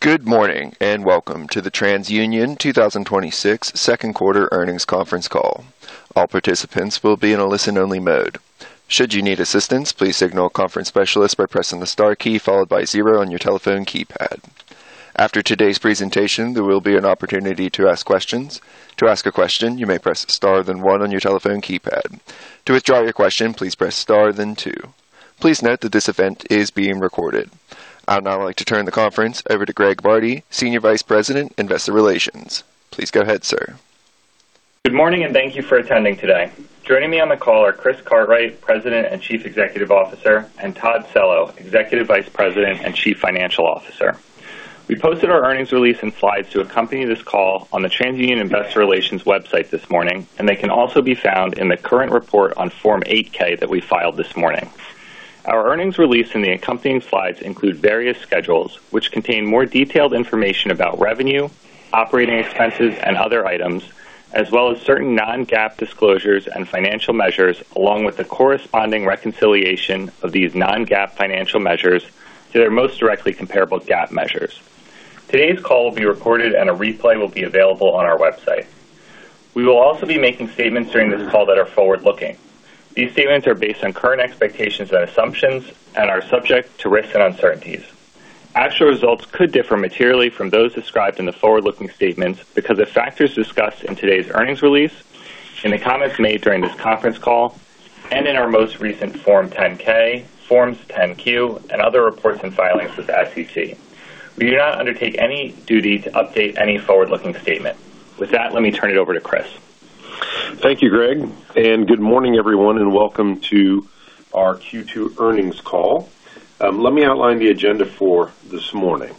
Good morning, and welcome to the TransUnion 2026 second quarter earnings conference call. All participants will be in a listen-only mode. Should you need assistance, please signal a conference specialist by pressing the star key followed by zero on your telephone keypad. After today's presentation, there will be an opportunity to ask questions. To ask a question, you may press star then one on your telephone keypad. To withdraw your question, please press star then two. Please note that this event is being recorded. I'd now like to turn the conference over to Greg Bardi, Senior Vice President, Investor Relations. Please go ahead, sir. Good morning, and thank you for attending today. Joining me on the call are Chris Cartwright, President and Chief Executive Officer, and Todd Cello, Executive Vice President and Chief Financial Officer. We posted our earnings release and slides to accompany this call on the TransUnion Investor Relations website this morning, and they can also be found in the current report on Form 8-K that we filed this morning. Our earnings release and the accompanying slides include various schedules which contain more detailed information about revenue, operating expenses, and other items, as well as certain non-GAAP disclosures and financial measures, along with the corresponding reconciliation of these non-GAAP financial measures to their most directly comparable GAAP measures. Today's call will be recorded, and a replay will be available on our website. These statements are based on current expectations and assumptions and are subject to risks and uncertainties. Actual results could differ materially from those described in the forward-looking statements because of factors discussed in today's earnings release, in the comments made during this conference call, and in our most recent Form 10-K, Forms 10-Q, and other reports and filings with the SEC. We do not undertake any duty to update any forward-looking statement. With that, let me turn it over to Chris. Thank you, Greg, and good morning, everyone, and welcome to our Q2 earnings call. Let me outline the agenda for this morning.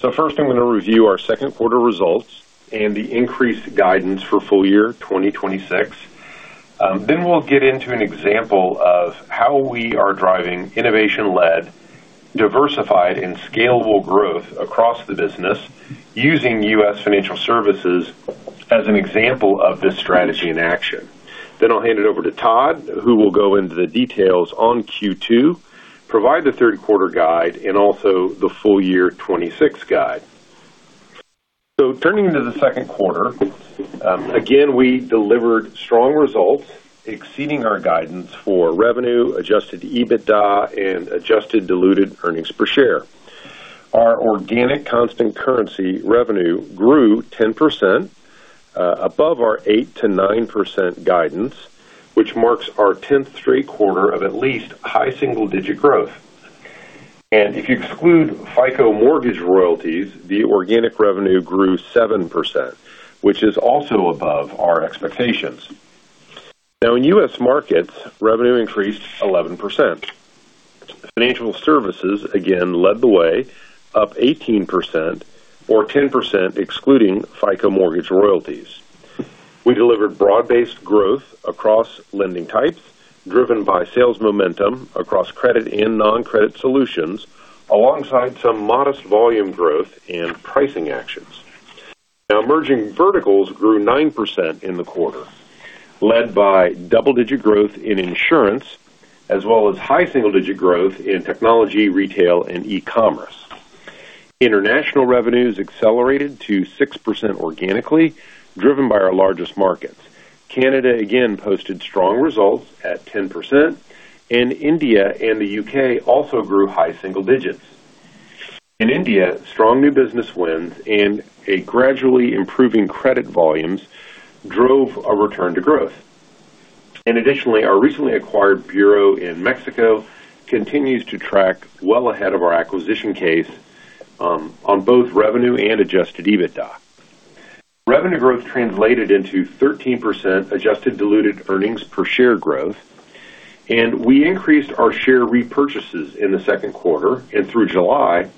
First, I'm going to review our second quarter results and the increased guidance for full year 2026. We'll get into an example of how we are driving innovation-led, diversified, and scalable growth across the business using U.S. financial services as an example of this strategy in action. I'll hand it over to Todd, who will go into the details on Q2, provide the third quarter guide, and also the full year 2026 guide. Turning to the second quarter, again, we delivered strong results exceeding our guidance for revenue, adjusted EBITDA, and adjusted diluted earnings per share. Our organic constant currency revenue grew 10%, above our 8%-9% guidance, which marks our 10th straight quarter of at least high single-digit growth. If you exclude FICO mortgage royalties, the organic revenue grew 7%, which is also above our expectations. In U.S. markets, revenue increased 11%. Financial services again led the way up 18%, or 10% excluding FICO mortgage royalties. We delivered broad-based growth across lending types, driven by sales momentum across credit and non-credit solutions, alongside some modest volume growth and pricing actions. Emerging verticals grew 9% in the quarter, led by double-digit growth in insurance as well as high single-digit growth in technology, retail, and e-commerce. International revenues accelerated to 6% organically, driven by our largest markets. Canada again posted strong results at 10%, and India and the U.K. also grew high single digits. In India, strong new business wins and a gradually improving credit volumes drove a return to growth. Additionally, our recently acquired bureau in Mexico continues to track well ahead of our acquisition case on both revenue and adjusted EBITDA. Revenue growth translated into 13% adjusted diluted earnings per share growth, and we increased our share repurchases in the second quarter and through July,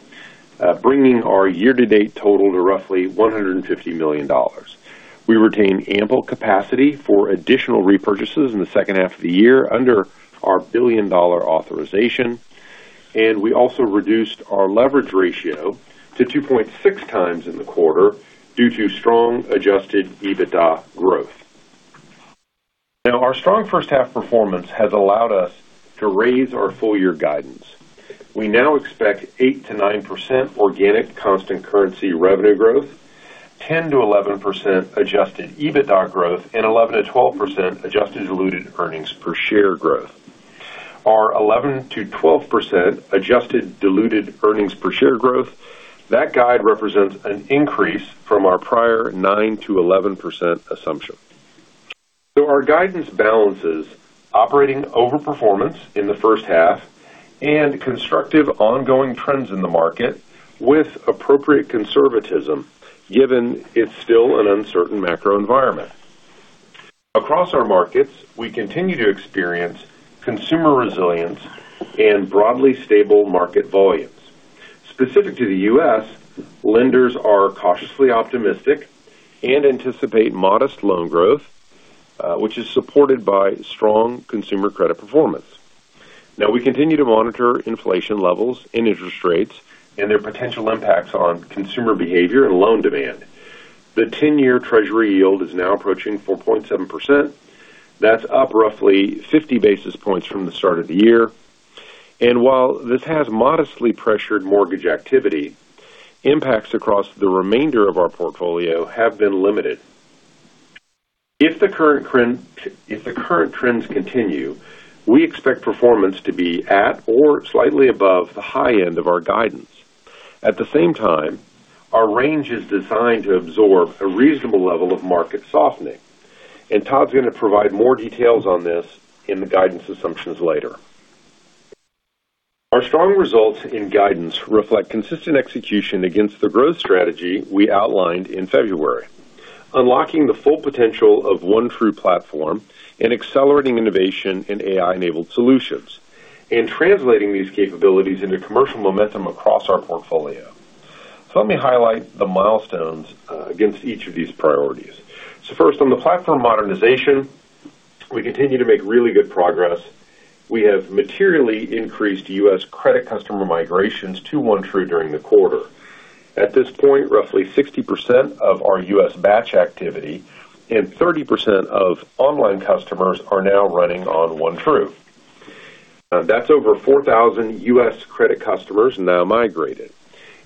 bringing our year-to-date total to roughly $150 million. We retain ample capacity for additional repurchases in the second half of the year under our billion-dollar authorization, and we also reduced our leverage ratio to 2.6X in the quarter due to strong adjusted EBITDA growth. Our strong first half performance has allowed us to raise our full year guidance. We now expect 8%-9% organic constant currency revenue growth, 10%-11% adjusted EBITDA growth, and 11%-12% adjusted diluted earnings per share growth. Our 11%-12% adjusted diluted earnings per share growth, that guide represents an increase from our prior 9%-11% assumption. Our guidance balances operating over performance in the first half and constructive ongoing trends in the market with appropriate conservatism, given it's still an uncertain macro environment. Across our markets, we continue to experience consumer resilience and broadly stable market volumes. Specific to the U.S., lenders are cautiously optimistic and anticipate modest loan growth, which is supported by strong consumer credit performance. We continue to monitor inflation levels and interest rates and their potential impacts on consumer behavior and loan demand. The 10-year Treasury yield is now approaching 4.7%. That's up roughly 50 basis points from the start of the year. While this has modestly pressured mortgage activity, impacts across the remainder of our portfolio have been limited. If the current trends continue, we expect performance to be at or slightly above the high end of our guidance. At the same time, our range is designed to absorb a reasonable level of market softening, and Todd's going to provide more details on this in the guidance assumptions later. Our strong results and guidance reflect consistent execution against the growth strategy we outlined in February, unlocking the full potential of OneTru platform and accelerating innovation in AI-enabled solutions, and translating these capabilities into commercial momentum across our portfolio. Let me highlight the milestones against each of these priorities. First, on the platform modernization, we continue to make really good progress. We have materially increased U.S. credit customer migrations to OneTru during the quarter. At this point, roughly 60% of our U.S. batch activity and 30% of online customers are now running on OneTru. That's over 4,000 U.S. credit customers now migrated.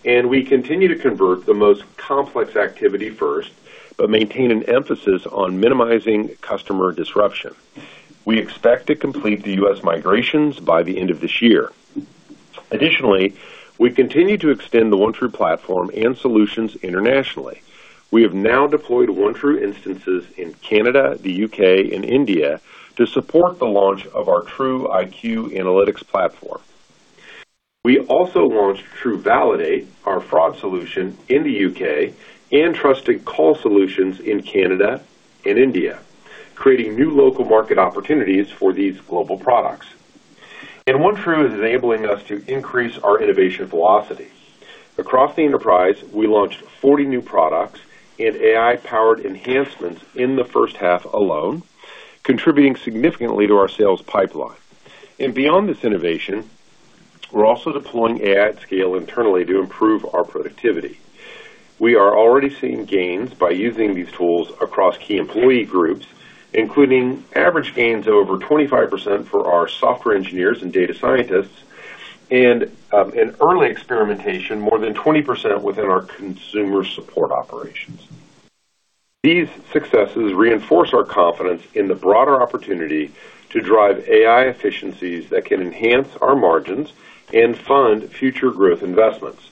We continue to convert the most complex activity first, but maintain an emphasis on minimizing customer disruption. We expect to complete the U.S. migrations by the end of this year. Additionally, we continue to extend the OneTru platform and solutions internationally. We have now deployed OneTru instances in Canada, the U.K., and India to support the launch of our TruIQ analytics platform. We also launched TruValidate, our fraud solution, in the U.K. and Trusted Call Solutions in Canada and India, creating new local market opportunities for these global products. OneTru is enabling us to increase our innovation velocity. Across the enterprise, we launched 40 new products and AI-powered enhancements in the first half alone, contributing significantly to our sales pipeline. Beyond this innovation, we're also deploying AI at scale internally to improve our productivity. We are already seeing gains by using these tools across key employee groups, including average gains over 25% for our software engineers and data scientists, and an early experimentation more than 20% within our consumer support operations. These successes reinforce our confidence in the broader opportunity to drive AI efficiencies that can enhance our margins and fund future growth investments.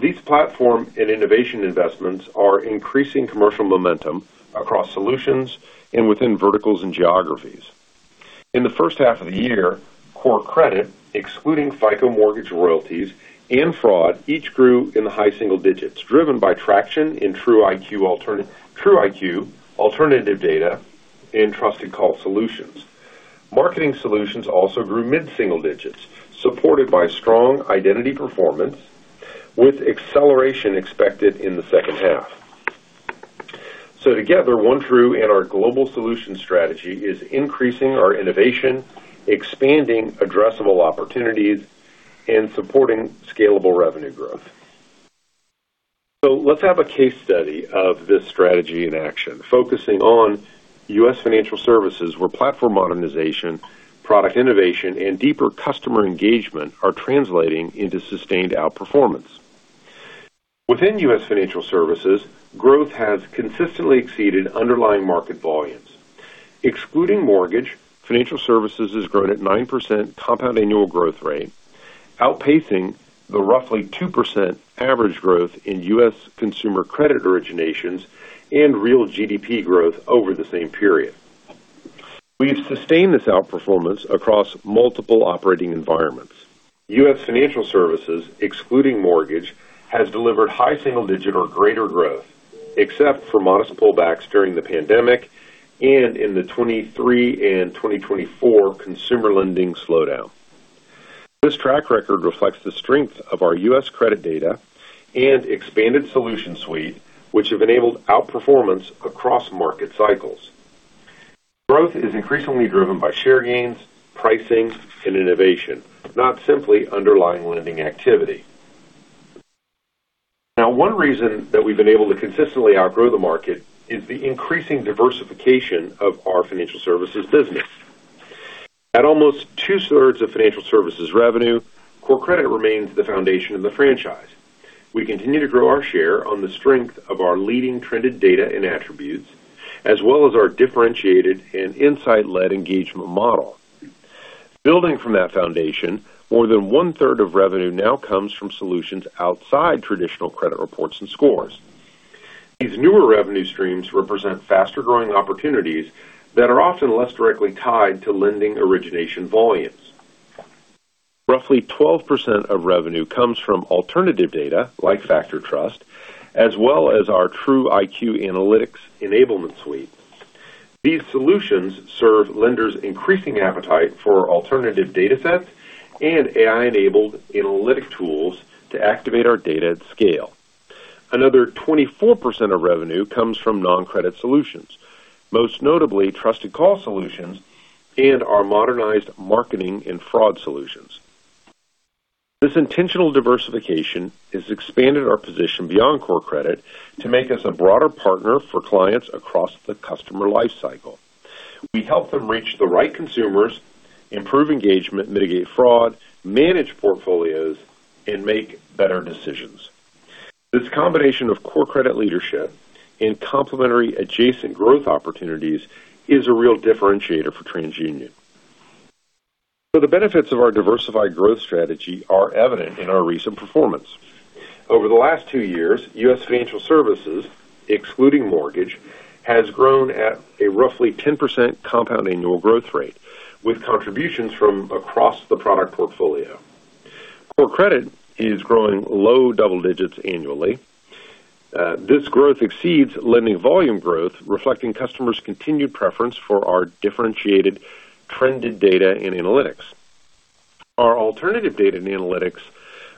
These platform and innovation investments are increasing commercial momentum across solutions and within verticals and geographies. In the first half of the year, core credit, excluding FICO mortgage royalties and fraud, each grew in the high single digits, driven by traction in TruIQ alternative data and Trusted Call Solutions. Marketing solutions also grew mid-single digits, supported by strong identity performance with acceleration expected in the second half. Together, OneTru and our global solution strategy is increasing our innovation, expanding addressable opportunities, and supporting scalable revenue growth. Let's have a case study of this strategy in action, focusing on U.S. financial services, where platform modernization, product innovation, and deeper customer engagement are translating into sustained outperformance. Within U.S. financial services, growth has consistently exceeded underlying market volumes. Excluding mortgage, financial services has grown at 9% compound annual growth rate, outpacing the roughly 2% average growth in U.S. consumer credit originations and real GDP growth over the same period. We've sustained this outperformance across multiple operating environments. U.S. financial services, excluding mortgage, has delivered high single-digit or greater growth, except for modest pullbacks during the pandemic and in the 2023 and 2024 consumer lending slowdown. This track record reflects the strength of our U.S. credit data and expanded solution suite, which have enabled outperformance across market cycles. Growth is increasingly driven by share gains, pricing, and innovation, not simply underlying lending activity. One reason that we've been able to consistently outgrow the market is the increasing diversification of our financial services business. At almost two-thirds of financial services revenue, core credit remains the foundation of the franchise. We continue to grow our share on the strength of our leading trended data and attributes, as well as our differentiated and insight-led engagement model. Building from that foundation, more than one-third of revenue now comes from solutions outside traditional credit reports and scores. These newer revenue streams represent faster-growing opportunities that are often less directly tied to lending origination volumes. Roughly 12% of revenue comes from alternative data like FactorTrust, as well as our TruIQ analytics enablement suite. These solutions serve lenders' increasing appetite for alternative datasets and AI-enabled analytic tools to activate our data at scale. Another 24% of revenue comes from non-credit solutions, most notably Trusted Call Solutions and our modernized marketing and fraud solutions. This intentional diversification has expanded our position beyond core credit to make us a broader partner for clients across the customer life cycle. We help them reach the right consumers, improve engagement, mitigate fraud, manage portfolios, and make better decisions. This combination of core credit leadership and complementary adjacent growth opportunities is a real differentiator for TransUnion. The benefits of our diversified growth strategy are evident in our recent performance. Over the last two years, U.S. Financial Services, excluding mortgage, has grown at a roughly 10% compound annual growth rate, with contributions from across the product portfolio. Core credit is growing low double digits annually. This growth exceeds lending volume growth, reflecting customers' continued preference for our differentiated trended data and analytics. Our alternative data and analytics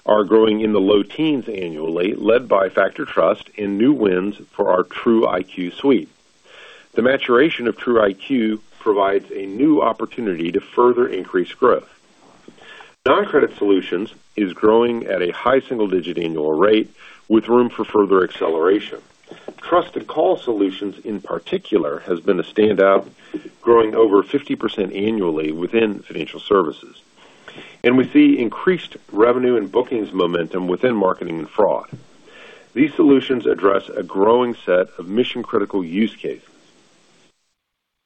are growing in the low teens annually, led by FactorTrust and new wins for our TruIQ suite. The maturation of TruIQ provides a new opportunity to further increase growth. Non-credit solutions is growing at a high single-digit annual rate with room for further acceleration. Trusted Call Solutions, in particular, has been a standout, growing over 50% annually within financial services, and we see increased revenue and bookings momentum within marketing and fraud. These solutions address a growing set of mission-critical use cases.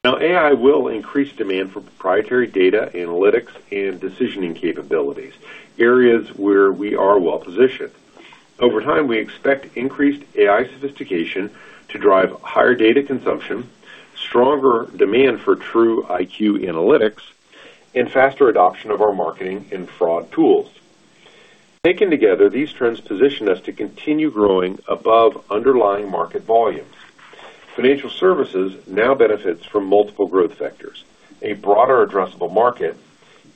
AI will increase demand for proprietary data analytics and decisioning capabilities, areas where we are well-positioned. Over time, we expect increased AI sophistication to drive higher data consumption, stronger demand for TruIQ analytics, and faster adoption of our marketing and fraud tools. Taken together, these trends position us to continue growing above underlying market volumes. Financial services now benefits from multiple growth vectors, a broader addressable market,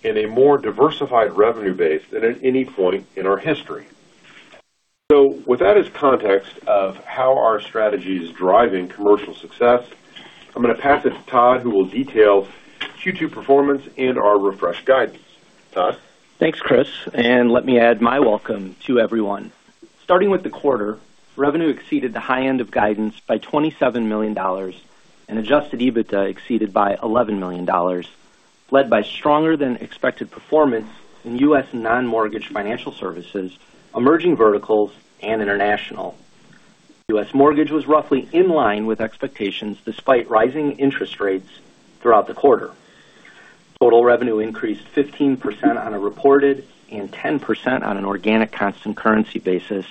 and a more diversified revenue base than at any point in our history. With that as context of how our strategy is driving commercial success, I'm going to pass it to Todd, who will detail Q2 performance and our refreshed guidance. Todd? Thanks, Chris. Let me add my welcome to everyone. Starting with the quarter, revenue exceeded the high end of guidance by $27 million and adjusted EBITDA exceeded by $11 million, led by stronger than expected performance in U.S. non-mortgage financial services, emerging verticals, and international. U.S. mortgage was roughly in line with expectations despite rising interest rates throughout the quarter. Total revenue increased 15% on a reported and 10% on an organic constant currency basis,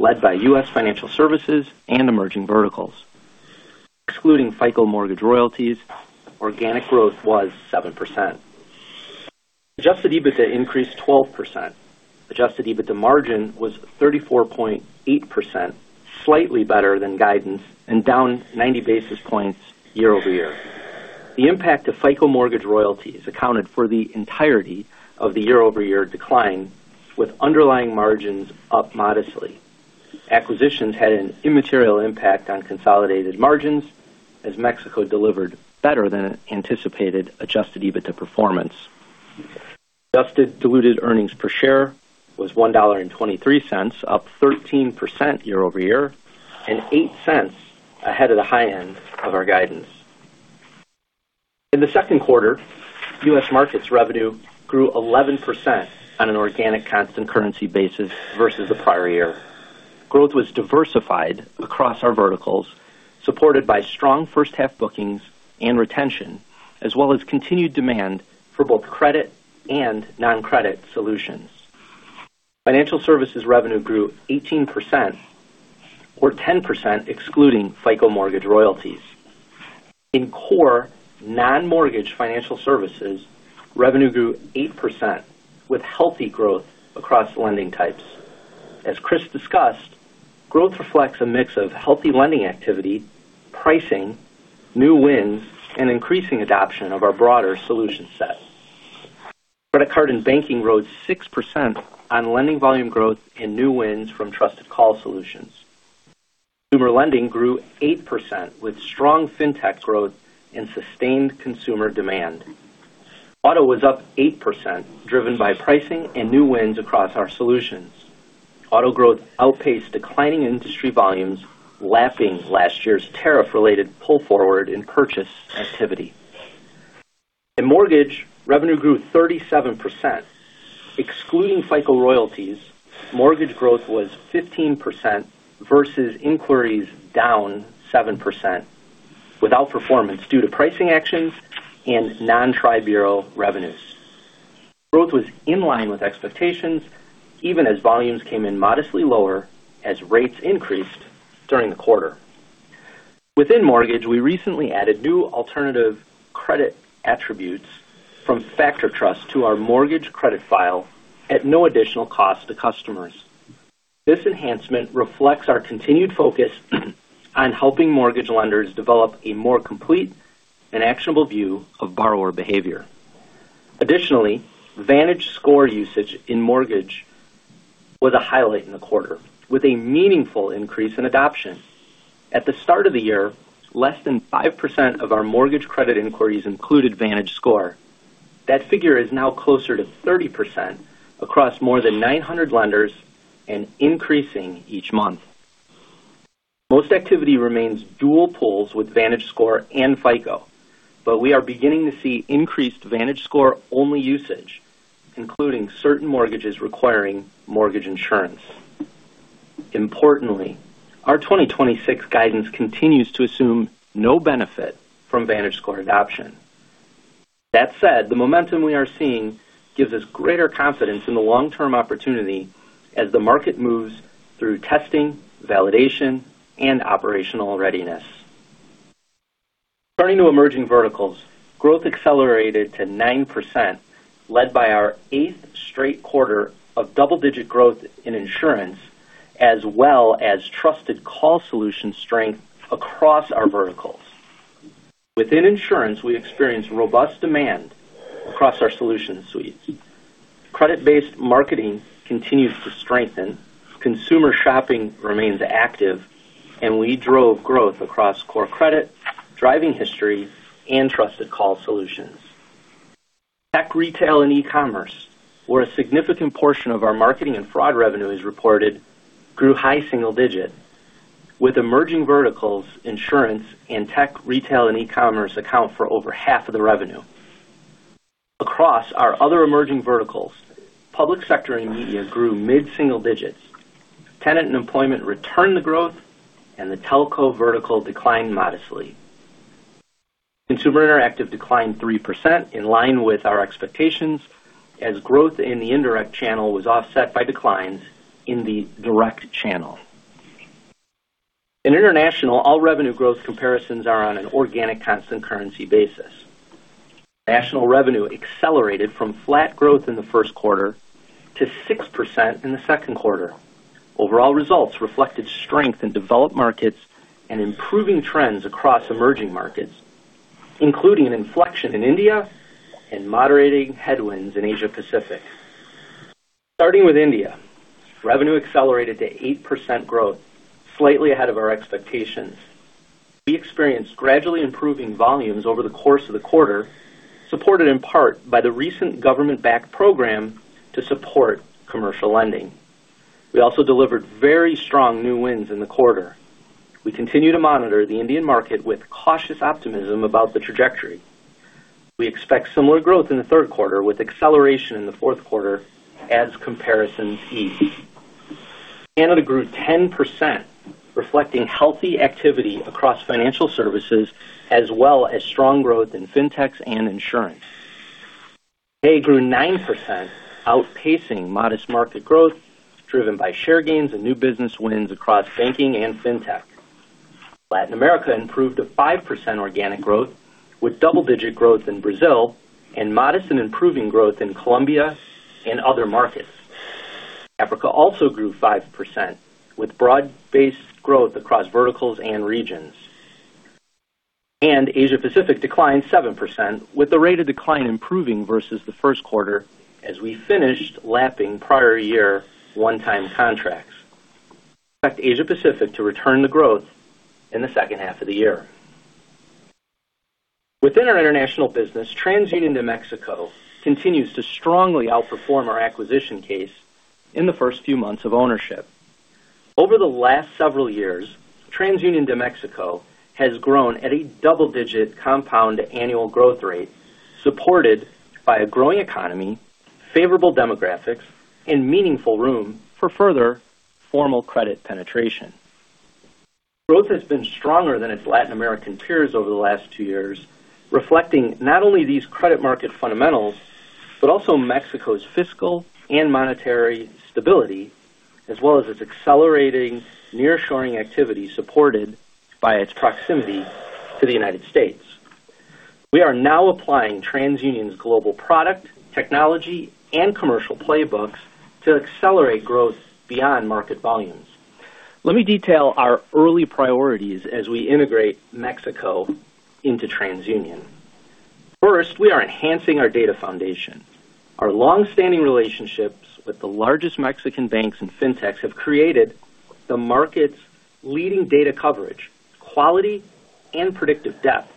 led by U.S. financial services and emerging verticals. Excluding FICO mortgage royalties, organic growth was 7%. Adjusted EBITDA increased 12%. Adjusted EBITDA margin was 34.8%, slightly better than guidance and down 90 basis points year-over-year. The impact of FICO mortgage royalties accounted for the entirety of the year-over-year decline, with underlying margins up modestly. Acquisitions had an immaterial impact on consolidated margins as Mexico delivered better than anticipated adjusted EBITDA performance. Adjusted diluted earnings per share was $1.23, up 13% year-over-year and $0.08 ahead of the high end of our guidance. In the second quarter, U.S. markets revenue grew 11% on an organic constant currency basis versus the prior year. Growth was diversified across our verticals, supported by strong first-half bookings and retention, as well as continued demand for both credit and non-credit solutions. Financial services revenue grew 18%, or 10%, excluding FICO mortgage royalties. In core non-mortgage financial services, revenue grew 8% with healthy growth across lending types. As Chris discussed, growth reflects a mix of healthy lending activity, pricing, new wins, and increasing adoption of our broader solution set. Credit card and banking rose 6% on lending volume growth and new wins from Trusted Call Solutions. Consumer lending grew 8% with strong fintech growth and sustained consumer demand. Auto was up 8%, driven by pricing and new wins across our solutions. Auto growth outpaced declining industry volumes, lapping last year's tariff-related pull forward in purchase activity. In mortgage, revenue grew 37%. Excluding FICO royalties, mortgage growth was 15% versus inquiries down 7%, with outperformance due to pricing actions and non-tri-bureau revenues. Growth was in line with expectations, even as volumes came in modestly lower as rates increased during the quarter. Within mortgage, we recently added new alternative credit attributes from FactorTrust to our mortgage credit file at no additional cost to customers. This enhancement reflects our continued focus on helping mortgage lenders develop a more complete and actionable view of borrower behavior. Additionally, VantageScore usage in mortgage was a highlight in the quarter, with a meaningful increase in adoption. At the start of the year, less than 5% of our mortgage credit inquiries included VantageScore. That figure is now closer to 30% across more than 900 lenders and increasing each month. Most activity remains dual pulls with VantageScore and FICO, but we are beginning to see increased VantageScore-only usage, including certain mortgages requiring mortgage insurance. Importantly, our 2026 guidance continues to assume no benefit from VantageScore adoption. The momentum we are seeing gives us greater confidence in the long-term opportunity as the market moves through testing, validation, and operational readiness. Turning to emerging verticals, growth accelerated to 9%, led by our eighth straight quarter of double-digit growth in insurance, as well as Trusted Call Solutions strength across our verticals. Within insurance, we experienced robust demand across our solution suites. Credit-based marketing continues to strengthen, consumer shopping remains active, and we drove growth across core credit, driving history, and Trusted Call Solutions. Tech retail and e-commerce, where a significant portion of our marketing and fraud revenue is reported, grew high single digit, with emerging verticals, insurance, and tech retail and e-commerce account for over half of the revenue. Across our other emerging verticals, public sector and media grew mid-single digits. Tenant and employment returned to growth, and the telco vertical declined modestly. Consumer interactive declined 3%, in line with our expectations, as growth in the indirect channel was offset by declines in the direct channel. In international, all revenue growth comparisons are on an organic constant currency basis. International revenue accelerated from flat growth in the first quarter to 6% in the second quarter. Overall results reflected strength in developed markets and improving trends across emerging markets, including an inflection in India and moderating headwinds in Asia-Pacific. Starting with India, revenue accelerated to 8% growth, slightly ahead of our expectations. We experienced gradually improving volumes over the course of the quarter, supported in part by the recent government-backed program to support commercial lending. We also delivered very strong new wins in the quarter. We continue to monitor the Indian market with cautious optimism about the trajectory. We expect similar growth in the third quarter, with acceleration in the fourth quarter as comparisons ease. Canada grew 10%, reflecting healthy activity across financial services, as well as strong growth in fintechs and insurance. They grew 9%, outpacing modest market growth driven by share gains and new business wins across banking and fintech. Latin America improved to 5% organic growth, with double-digit growth in Brazil and modest and improving growth in Colombia and other markets. Africa also grew 5%, with broad-based growth across verticals and regions. Asia-Pacific declined 7%, with the rate of decline improving versus the first quarter as we finished lapping prior year one-time contracts. Expect Asia-Pacific to return to growth in the second half of the year. Within our international business, TransUnion de Mexico continues to strongly outperform our acquisition case in the first few months of ownership. Over the last several years, TransUnion de Mexico has grown at a double-digit compound annual growth rate, supported by a growing economy, favorable demographics, and meaningful room for further formal credit penetration. Growth has been stronger than its Latin American peers over the last two years, reflecting not only these credit market fundamentals, but also Mexico's fiscal and monetary stability, as well as its accelerating nearshoring activity, supported by its proximity to the United States. We are now applying TransUnion's global product, technology, and commercial playbooks to accelerate growth beyond market volumes. Let me detail our early priorities as we integrate Mexico into TransUnion. First, we are enhancing our data foundation. Our long-standing relationships with the largest Mexican banks and fintechs have created the market's leading data coverage, quality, and predictive depth.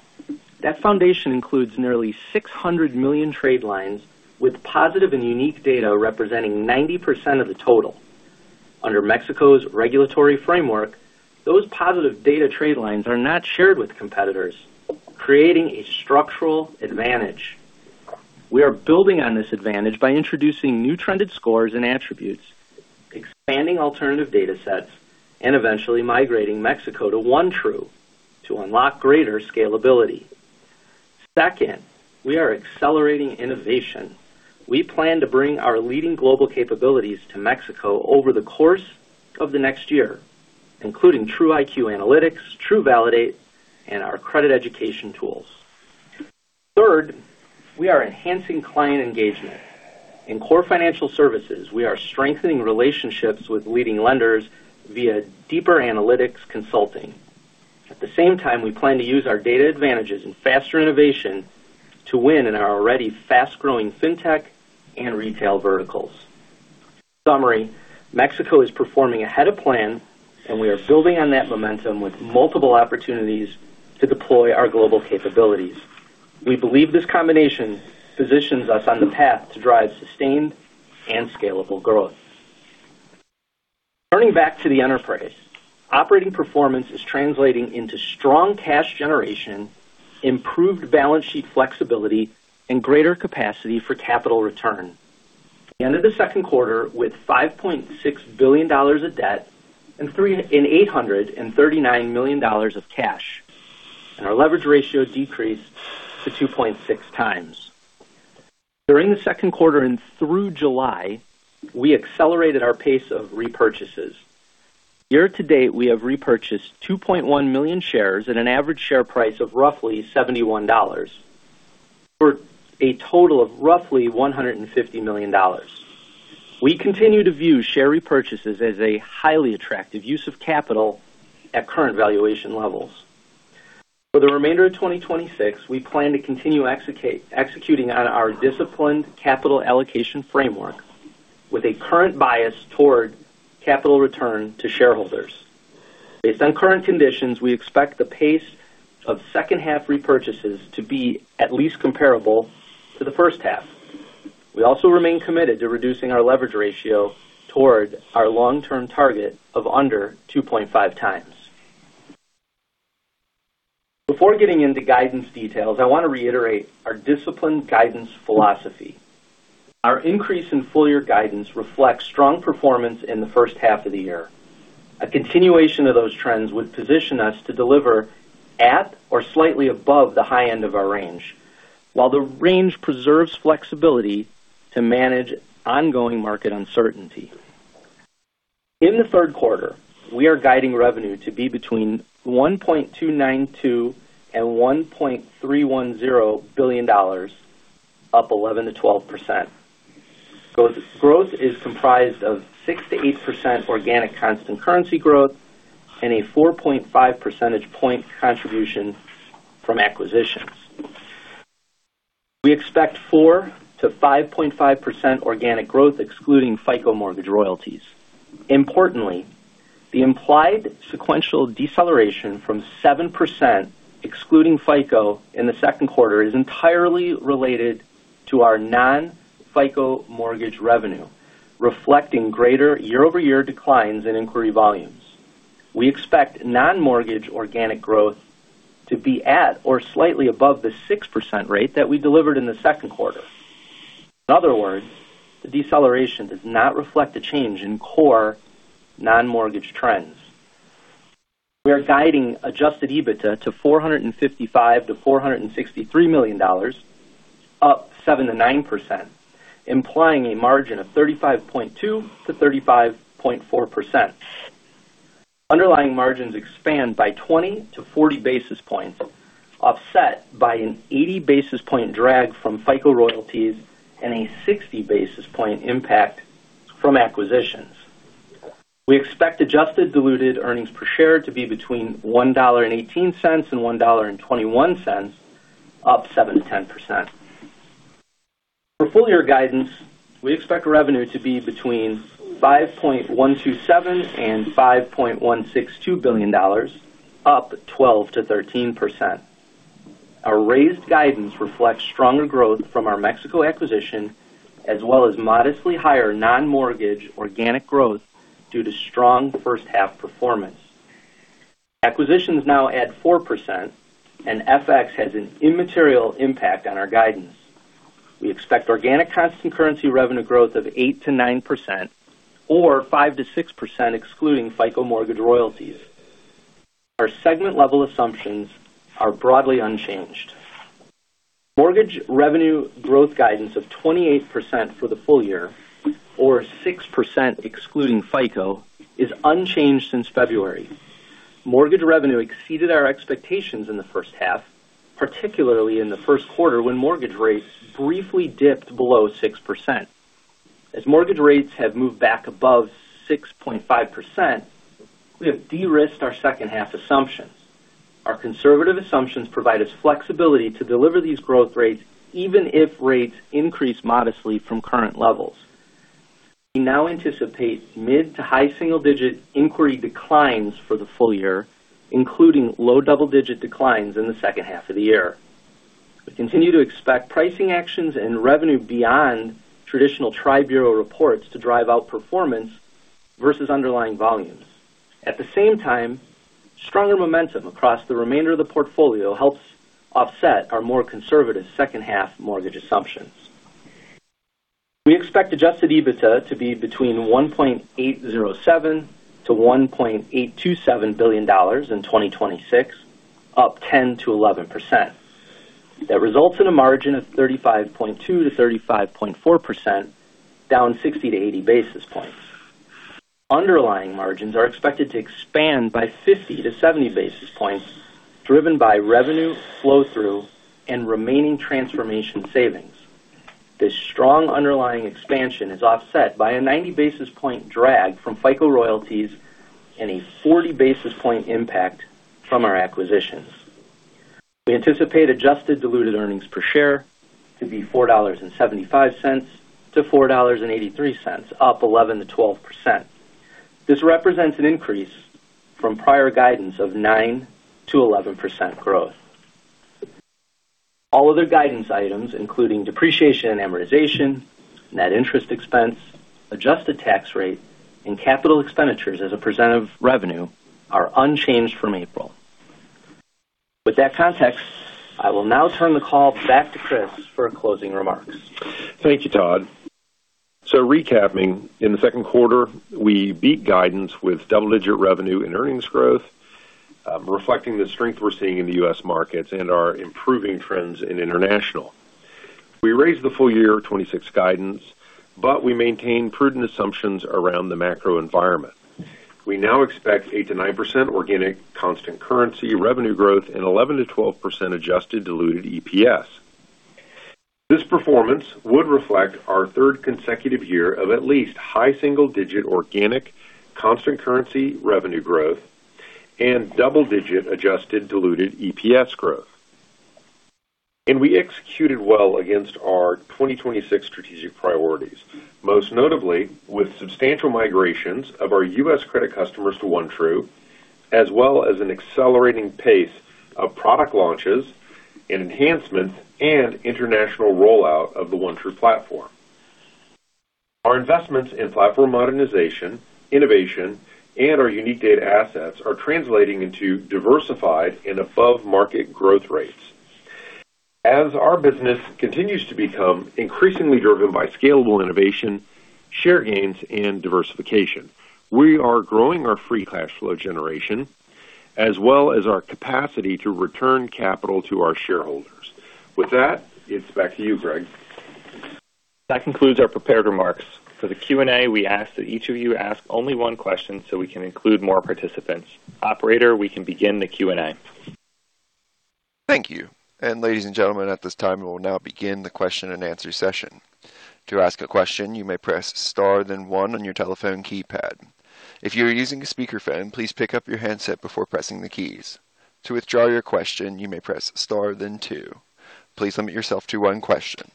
That foundation includes nearly 600 million trade lines with positive and unique data representing 90% of the total. Under Mexico's regulatory framework, those positive data trade lines are not shared with competitors, creating a structural advantage. We are building on this advantage by introducing new trended scores and attributes, expanding alternative data sets, and eventually migrating Mexico to OneTru to unlock greater scalability. Second, we are accelerating innovation. We plan to bring our leading global capabilities to Mexico over the course of the next year, including TruIQ analytics, TruValidate, and our credit education tools. Third, we are enhancing client engagement. In core financial services, we are strengthening relationships with leading lenders via deeper analytics consulting. At the same time, we plan to use our data advantages and faster innovation to win in our already fast-growing fintech and retail verticals. In summary, Mexico is performing ahead of plan, and we are building on that momentum with multiple opportunities to deploy our global capabilities. We believe this combination positions us on the path to drive sustained and scalable growth. Turning back to the enterprise, operating performance is translating into strong cash generation, improved balance sheet flexibility, and greater capacity for capital return. At the end of the second quarter, with $5.6 billion of debt and $839 million of cash, our leverage ratio decreased to 2.6 times. During the second quarter and through July, we accelerated our pace of repurchases. Year to date, we have repurchased 2.1 million shares at an average share price of roughly $71 for a total of roughly $150 million. We continue to view share repurchases as a highly attractive use of capital at current valuation levels. For the remainder of 2026, we plan to continue executing on our disciplined capital allocation framework with a current bias toward capital return to shareholders. Based on current conditions, we expect the pace of second half repurchases to be at least comparable to the first half. We also remain committed to reducing our leverage ratio toward our long-term target of under 2.5X. Before getting into guidance details, I want to reiterate our disciplined guidance philosophy. Our increase in full-year guidance reflects strong performance in the first half of the year. A continuation of those trends would position us to deliver at or slightly above the high end of our range, while the range preserves flexibility to manage ongoing market uncertainty. In the third quarter, we are guiding revenue to be between $1.292 billion-$1.310 billion, up 11%-12%. Growth is comprised of 6%-8% organic constant currency growth and a 4.5 percentage point contribution from acquisitions. We expect 4%-5.5% organic growth, excluding FICO mortgage royalties. Importantly, the implied sequential deceleration from 7%, excluding FICO in the second quarter, is entirely related to our non-FICO mortgage revenue, reflecting greater year-over-year declines in inquiry volumes. We expect non-mortgage organic growth to be at or slightly above the 6% rate that we delivered in the second quarter. In other words, the deceleration does not reflect a change in core non-mortgage trends. We are guiding adjusted EBITDA to $455 million-$463 million, up 7%-9%, implying a margin of 35.2%-35.4%. Underlying margins expand by 20-40 basis points, offset by an 80 basis point drag from FICO royalties and a 60 basis point impact from acquisitions. We expect adjusted diluted earnings per share to be between $1.18-$1.21, up 7%-10%. For full-year guidance, we expect revenue to be between $5.127 billion-$5.162 billion, up 12%-13%. Our raised guidance reflects stronger growth from our Mexico acquisition as well as modestly higher non-mortgage organic growth due to strong first half performance. Acquisitions now add 4%, and FX has an immaterial impact on our guidance. We expect organic constant currency revenue growth of 8%-9%, or 5%-6%, excluding FICO mortgage royalties. Our segment-level assumptions are broadly unchanged. Mortgage revenue growth guidance of 28% for the full year, or 6% excluding FICO, is unchanged since February. Mortgage revenue exceeded our expectations in the first half, particularly in the first quarter when mortgage rates briefly dipped below 6%. As mortgage rates have moved back above 6.5%, we have de-risked our second half assumptions. Our conservative assumptions provide us flexibility to deliver these growth rates even if rates increase modestly from current levels. We now anticipate mid to high single-digit inquiry declines for the full year, including low double-digit declines in the second half of the year. We continue to expect pricing actions and revenue beyond traditional tri-bureau reports to drive outperformance versus underlying volumes. At the same time, stronger momentum across the remainder of the portfolio helps offset our more conservative second half mortgage assumptions. We expect adjusted EBITDA to be between $1.807 billion-$1.827 billion in 2026, up 10%-11%. That results in a margin of 35.2%-35.4%, down 60 to 80 basis points. Underlying margins are expected to expand by 50 to 70 basis points, driven by revenue flow-through and remaining transformation savings. This strong underlying expansion is offset by a 90-basis-point drag from FICO royalties and a 40-basis-point impact from our acquisitions. We anticipate adjusted diluted earnings per share to be $4.75-$4.83, up 11%-12%. This represents an increase from prior guidance of 9%-11% growth. All other guidance items, including depreciation, amortization, net interest expense, adjusted tax rate, and capital expenditures as a % of revenue are unchanged from April. With that context, I will now turn the call back to Chris for closing remarks. Thank you, Todd. Recapping, in the second quarter, we beat guidance with double-digit revenue and earnings growth, reflecting the strength we're seeing in the U.S. markets and our improving trends in international. We raised the full-year 2026 guidance, but we maintained prudent assumptions around the macro environment. We now expect 8%-9% organic constant currency revenue growth and 11%-12% adjusted diluted EPS. This performance would reflect our third consecutive year of at least high single-digit organic constant currency revenue growth and double-digit adjusted diluted EPS growth. We executed well against our 2026 strategic priorities, most notably with substantial migrations of our U.S. credit customers to OneTru, as well as an accelerating pace of product launches and enhancements and international rollout of the OneTru platform. Our investments in platform modernization, innovation, and our unique data assets are translating into diversified and above-market growth rates. As our business continues to become increasingly driven by scalable innovation, share gains, and diversification, we are growing our free cash flow generation as well as our capacity to return capital to our shareholders. With that, it's back to you, Greg. That concludes our prepared remarks. For the Q&A, we ask that each of you ask only one question so we can include more participants. Operator, we can begin the Q&A. Thank you. Ladies and gentlemen, at this time, we will now begin the question-and-answer session. To ask a question, you may press star then one on your telephone keypad. If you are using a speakerphone, please pick up your handset before pressing the keys. To withdraw your question, you may press star then two. Please limit yourself to one question.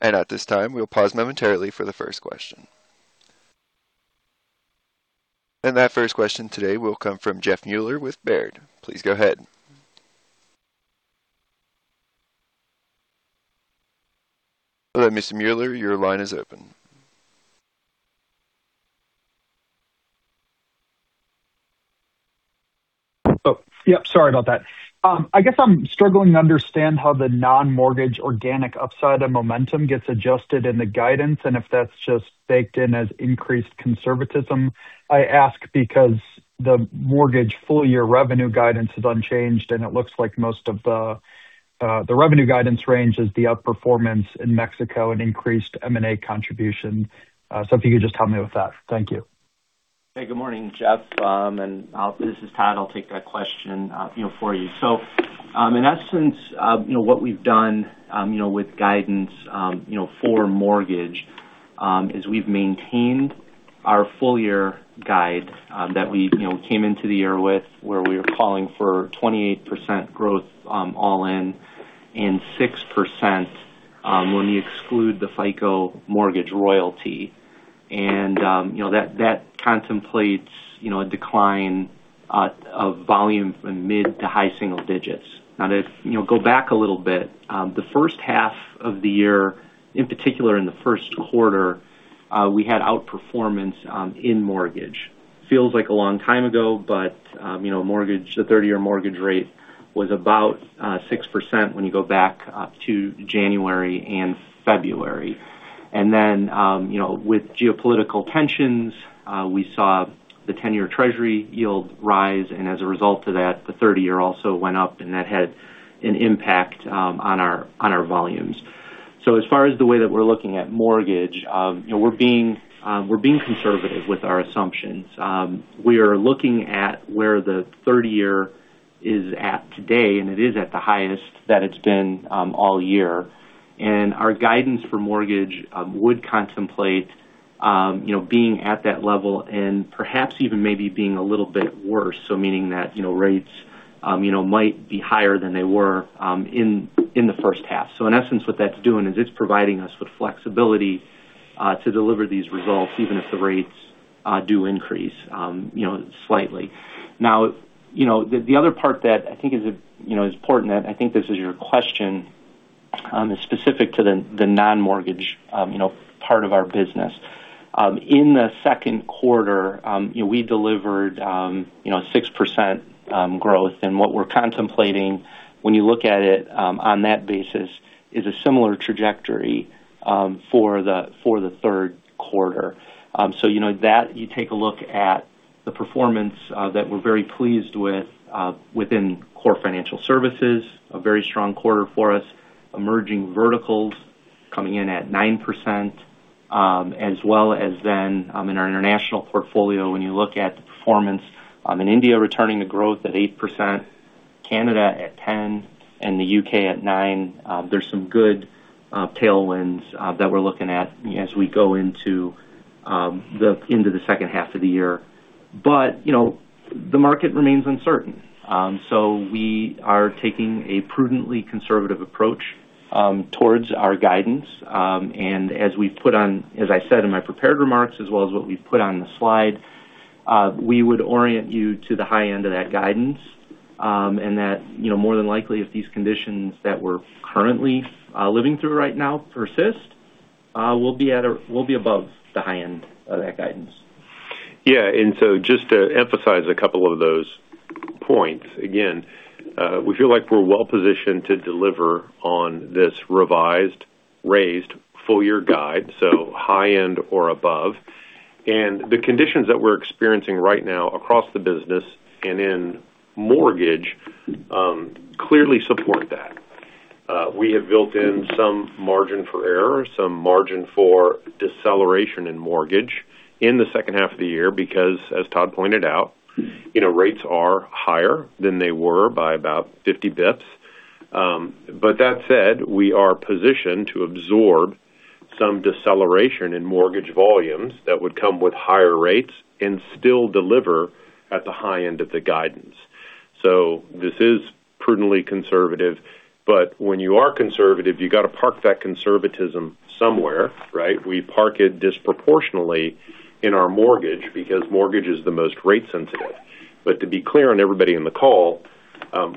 At this time, we will pause momentarily for the first question. That first question today will come from Jeff Meuler with Baird. Please go ahead. Hello, Mr. Meuler, your line is open. Oh, yep, sorry about that. I guess I'm struggling to understand how the non-mortgage organic upside of momentum gets adjusted in the guidance and if that's just baked in as increased conservatism. I ask because the mortgage full-year revenue guidance is unchanged, and it looks like most of the revenue guidance range is the outperformance in Mexico and increased M&A contribution. If you could just help me with that. Thank you. Hey, good morning, Jeff. This is Todd. I'll take that question for you. In essence, what we've done with guidance for mortgage, is we've maintained our full-year guide that we came into the year with, where we were calling for 28% growth all in, and 6% when you exclude the FICO mortgage royalty. That contemplates a decline of volume from mid to high single digits. To go back a little bit, the first half of the year, in particular in the first quarter, we had outperformance in mortgage. Feels like a long time ago, but the 30-year mortgage rate was about 6% when you go back to January and February. Then, with geopolitical tensions, we saw the 10-year treasury yield rise, and as a result of that, the 30-year also went up, and that had an impact on our volumes. As far as the way that we're looking at mortgage, we're being conservative with our assumptions. We are looking at where the 30-year is at today, and it is at the highest that it's been all year. Our guidance for mortgage would contemplate being at that level and perhaps even maybe being a little bit worse, meaning that rates might be higher than they were in the first half. In essence, what that's doing is it's providing us with flexibility to deliver these results even if the rates do increase slightly. The other part that I think is important, I think this is your question, is specific to the non-mortgage part of our business. In the second quarter, we delivered 6% growth, what we're contemplating when you look at it on that basis is a similar trajectory for the third quarter. You take a look at the performance that we're very pleased with within core financial services, a very strong quarter for us. Emerging verticals coming in at 9%, as well as then in our international portfolio, when you look at the performance in India returning to growth at 8%, Canada at 10%, and the U.K. at 9%. There's some good tailwinds that we're looking at as we go into the second half of the year. The market remains uncertain. We are taking a prudently conservative approach towards our guidance. As I said in my prepared remarks, as well as what we've put on the slide, we would orient you to the high end of that guidance. That more than likely, if these conditions that we're currently living through right now persist, we'll be above the high end of that guidance. Yeah. Just to emphasize a couple of those points, again, we feel like we're well-positioned to deliver on this revised, raised full-year guide, so high end or above. The conditions that we're experiencing right now across the business and in mortgage, clearly support that. We have built in some margin for error, some margin for deceleration in mortgage in the second half of the year because, as Todd pointed out, rates are higher than they were by about 50 basis points. That said, we are positioned to absorb some deceleration in mortgage volumes that would come with higher rates and still deliver at the high end of the guidance. This is prudently conservative, but when you are conservative, you got to park that conservatism somewhere, right? We park it disproportionately in our mortgage because mortgage is the most rate sensitive. To be clear on everybody in the call,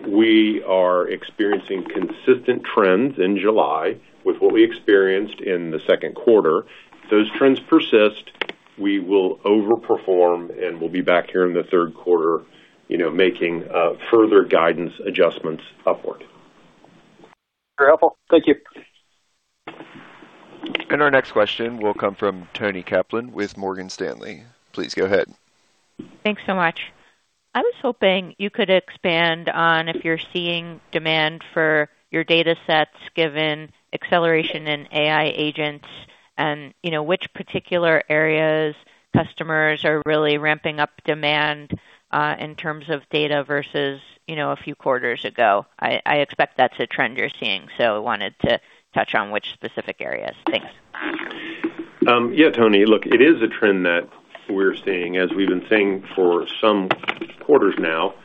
we are experiencing consistent trends in July with what we experienced in the second quarter. If those trends persist, we will overperform, and we'll be back here in the third quarter making further guidance adjustments upward. Very helpful. Thank you. Our next question will come from Toni Kaplan with Morgan Stanley. Please go ahead. Thanks so much. I was hoping you could expand on if you're seeing demand for your data sets given acceleration in AI agents and which particular areas customers are really ramping up demand, in terms of data versus a few quarters ago. I expect that's a trend you're seeing, so wanted to touch on which specific areas. Thanks. Yeah, Toni. Look, it is a trend that we're seeing, as we've been seeing for some quarters now,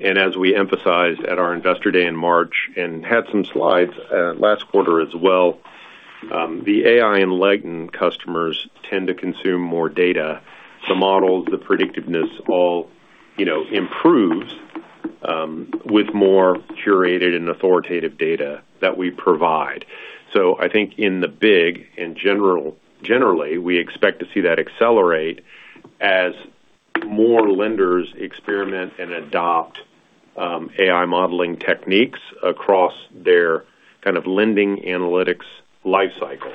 and as we emphasized at our Investor Day in March and had some slides last quarter as well. The AI-enlightened customers tend to consume more data. The models, the predictiveness all improves with more curated and authoritative data that we provide. I think in the big, in general, generally, we expect to see that accelerate as more lenders experiment and adopt AI modeling techniques across their lending analytics life cycle.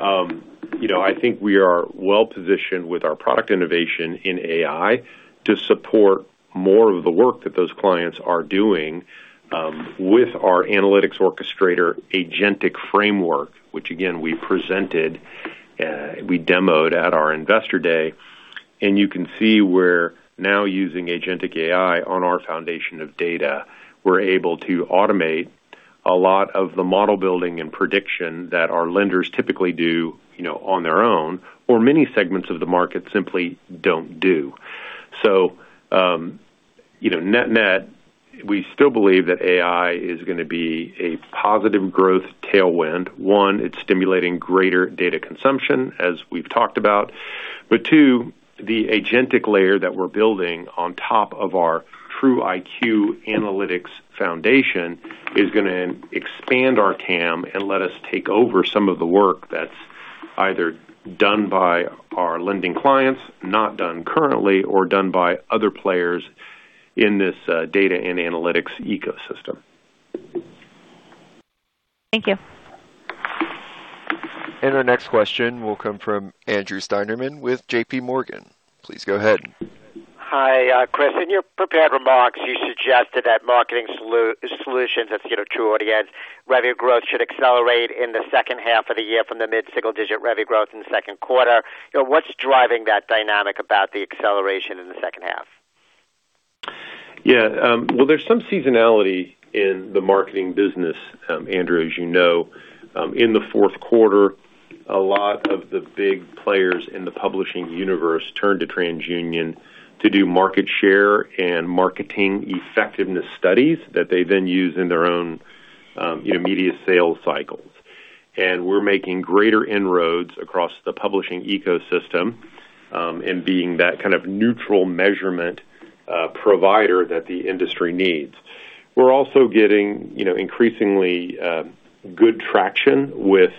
I think we are well-positioned with our product innovation in AI to support more of the work that those clients are doing with our analytics orchestrator agentic framework, which again, we presented, we demoed at our Investor Day. You can see we're now using agentic AI on our foundation of data. We're able to automate a lot of the model building and prediction that our lenders typically do on their own or many segments of the market simply don't do. Net-net, we still believe that AI is going to be a positive growth tailwind. One, it's stimulating greater data consumption, as we've talked about, but two, the agentic layer that we're building on top of our TruIQ analytics foundation is going to expand our TAM and let us take over some of the work that's either done by our lending clients, not done currently, or done by other players in this data and analytics ecosystem. Thank you. Our next question will come from Andrew Steinerman with JPMorgan. Please go ahead. Hi, Chris. In your prepared remarks, you suggested that marketing solutions as TruAudience revenue growth should accelerate in the second half of the year from the mid-single-digit revenue growth in the second quarter. What's driving that dynamic about the acceleration in the second half? Yeah. Well, there's some seasonality in the marketing business, Andrew, as you know. In the fourth quarter, a lot of the big players in the publishing universe turn to TransUnion to do market share and marketing effectiveness studies that they then use in their own media sales cycles. We're making greater inroads across the publishing ecosystem, and being that kind of neutral measurement provider that the industry needs. We're also getting increasingly good traction with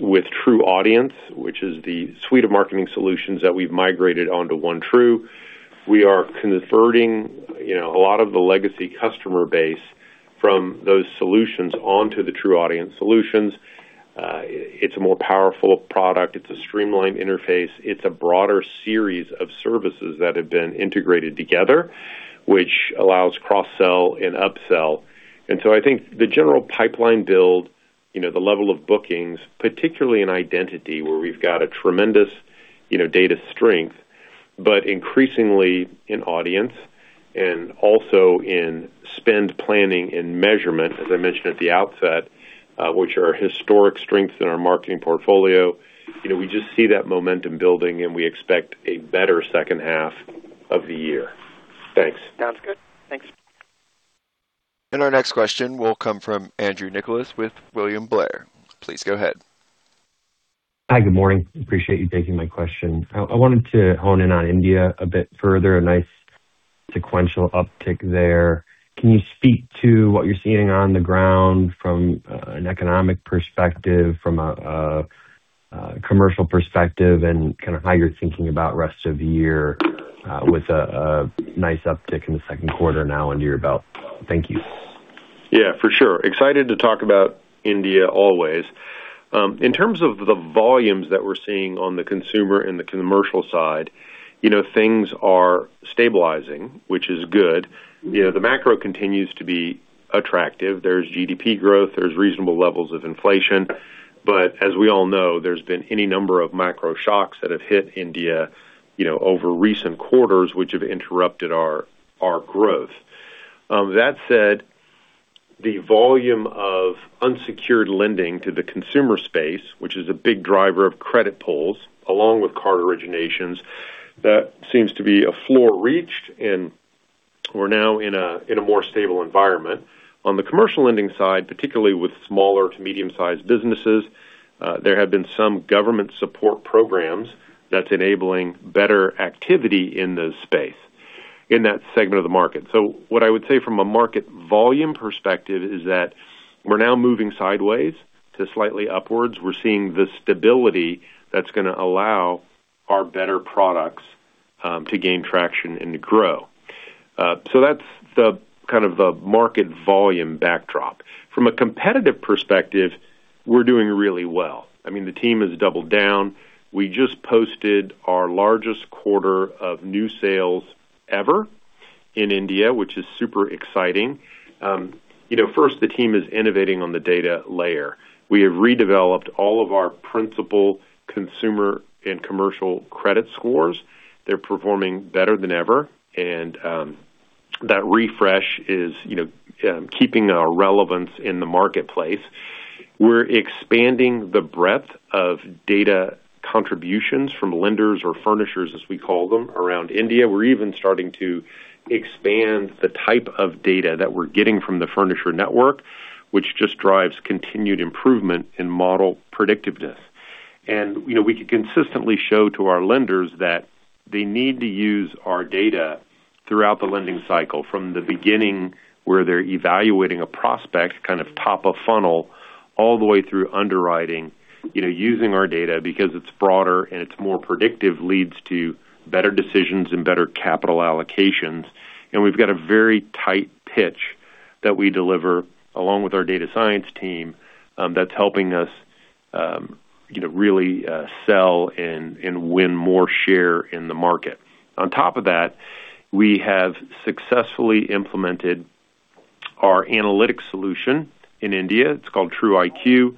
TruAudience, which is the suite of marketing solutions that we've migrated onto OneTru. We are converting a lot of the legacy customer base from those solutions onto the TruAudience solutions. It's a more powerful product. It's a streamlined interface. It's a broader series of services that have been integrated together, which allows cross-sell and upsell. I think the general pipeline build The level of bookings, particularly in identity, where we've got a tremendous data strength, but increasingly in audience and also in spend planning and measurement, as I mentioned at the outset, which are historic strengths in our marketing portfolio. We just see that momentum building, and we expect a better second half of the year. Thanks. Sounds good. Thanks. Our next question will come from Andrew Nicholas with William Blair. Please go ahead. Hi. Good morning. Appreciate you taking my question. I wanted to hone in on India a bit further. A nice sequential uptick there. Can you speak to what you're seeing on the ground from an economic perspective, from a commercial perspective, and how you're thinking about rest of the year with a nice uptick in the second quarter now under your belt? Thank you. Yeah, for sure. Excited to talk about India always. In terms of the volumes that we're seeing on the consumer and the commercial side, things are stabilizing, which is good. The macro continues to be attractive. There's GDP growth. There's reasonable levels of inflation. As we all know, there's been any number of macro shocks that have hit India over recent quarters, which have interrupted our growth. That said, the volume of unsecured lending to the consumer space, which is a big driver of credit pulls, along with card originations, that seems to be a floor reached, and we're now in a more stable environment. On the commercial lending side, particularly with smaller to medium-sized businesses, there have been some government support programs that's enabling better activity in the space in that segment of the market. What I would say from a market volume perspective is that we're now moving sideways to slightly upwards. We're seeing the stability that's going to allow our better products to gain traction and to grow. That's the market volume backdrop. From a competitive perspective, we're doing really well. The team has doubled down. We just posted our largest quarter of new sales ever in India, which is super exciting. First, the team is innovating on the data layer. We have redeveloped all of our principal consumer and commercial credit scores. They're performing better than ever, and that refresh is keeping our relevance in the marketplace. We're expanding the breadth of data contributions from lenders or furnishers, as we call them, around India. We're even starting to expand the type of data that we're getting from the furnisher network, which just drives continued improvement in model predictiveness. We could consistently show to our lenders that they need to use our data throughout the lending cycle from the beginning, where they're evaluating a prospect, kind of top of funnel, all the way through underwriting. Using our data because it's broader and it's more predictive leads to better decisions and better capital allocations. We've got a very tight pitch that we deliver along with our data science team that's helping us really sell and win more share in the market. On top of that, we have successfully implemented our analytics solution in India. It's called TruIQ.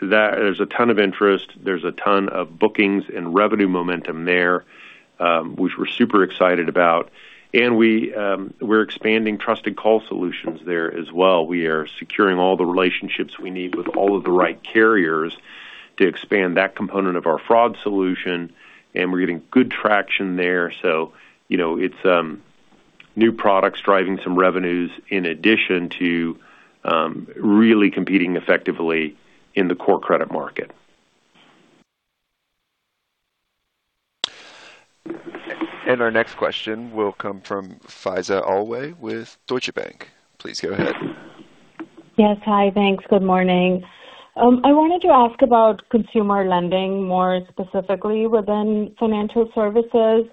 There's a ton of interest, there's a ton of bookings and revenue momentum there, which we're super excited about. We're expanding Trusted Call Solutions there as well. We are securing all the relationships we need with all of the right carriers to expand that component of our fraud solution, we're getting good traction there. It's new products driving some revenues in addition to really competing effectively in the core credit market. Our next question will come from Faiza Alwy with Deutsche Bank. Please go ahead. Yes. Hi. Thanks. Good morning. I wanted to ask about consumer lending, more specifically within financial services.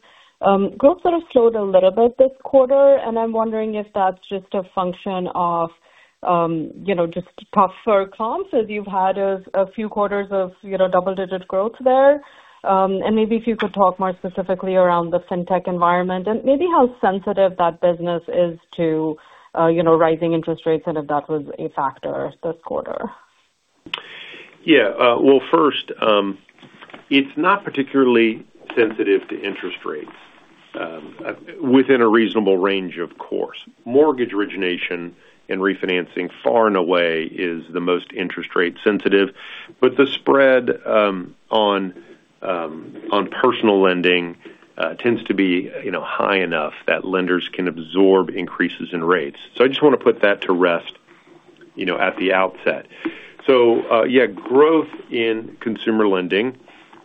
Growth sort of slowed a little bit this quarter, I'm wondering if that's just a function of just tougher comps as you've had a few quarters of double-digit growth there. Maybe if you could talk more specifically around the fintech environment and maybe how sensitive that business is to rising interest rates and if that was a factor this quarter. Yeah. Well, first, it's not particularly sensitive to interest rates within a reasonable range, of course. Mortgage origination and refinancing far and away is the most interest rate sensitive. The spread on personal lending tends to be high enough that lenders can absorb increases in rates. I just want to put that to rest at the outset. Yeah, growth in consumer lending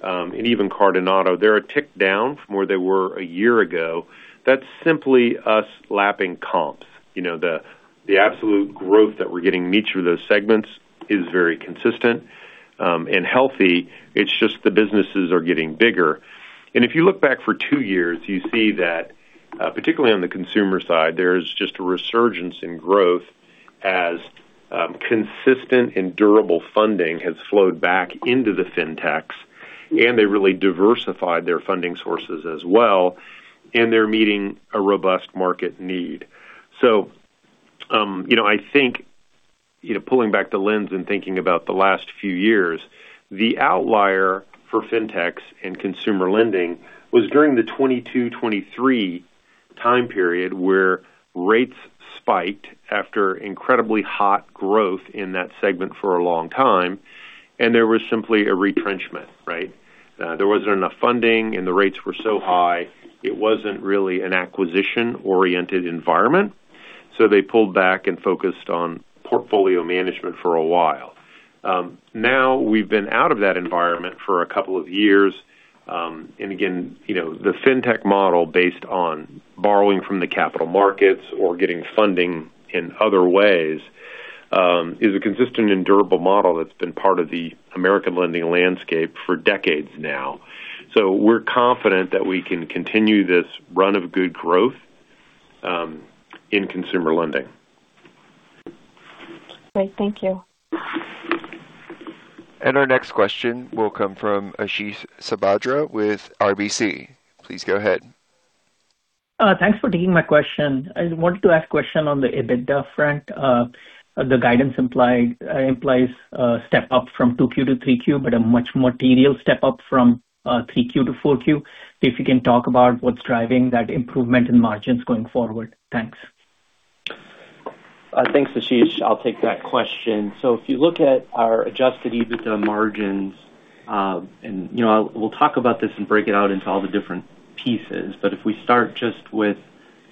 and even card and auto, they're a tick down from where they were a year ago. That's simply us lapping comps. The absolute growth that we're getting in each of those segments is very consistent and healthy. It's just the businesses are getting bigger. If you look back for two years, you see that particularly on the consumer side, there's just a resurgence in growth as consistent and durable funding has flowed back into the fintechs. They really diversified their funding sources as well, and they're meeting a robust market need. I think pulling back the lens and thinking about the last few years, the outlier for fintechs in consumer lending was during the 2022, 2023 time period, where rates spiked after incredibly hot growth in that segment for a long time, and there was simply a retrenchment. There wasn't enough funding, and the rates were so high, it wasn't really an acquisition-oriented environment. They pulled back and focused on portfolio management for a while. Now we've been out of that environment for a couple of years. Again, the fintech model based on borrowing from the capital markets or getting funding in other ways, is a consistent and durable model that's been part of the American lending landscape for decades now. We're confident that we can continue this run of good growth in consumer lending. Great. Thank you. Our next question will come from Ashish Sabadra with RBC. Please go ahead. Thanks for taking my question. I wanted to ask question on the EBITDA front. The guidance implies a step up from 2Q to 3Q, but a much material step up from 3Q to 4Q. If you can talk about what's driving that improvement in margins going forward? Thanks. Thanks, Ashish. I'll take that question. If you look at our adjusted EBITDA margins, and we'll talk about this and break it out into all the different pieces, but if we start just with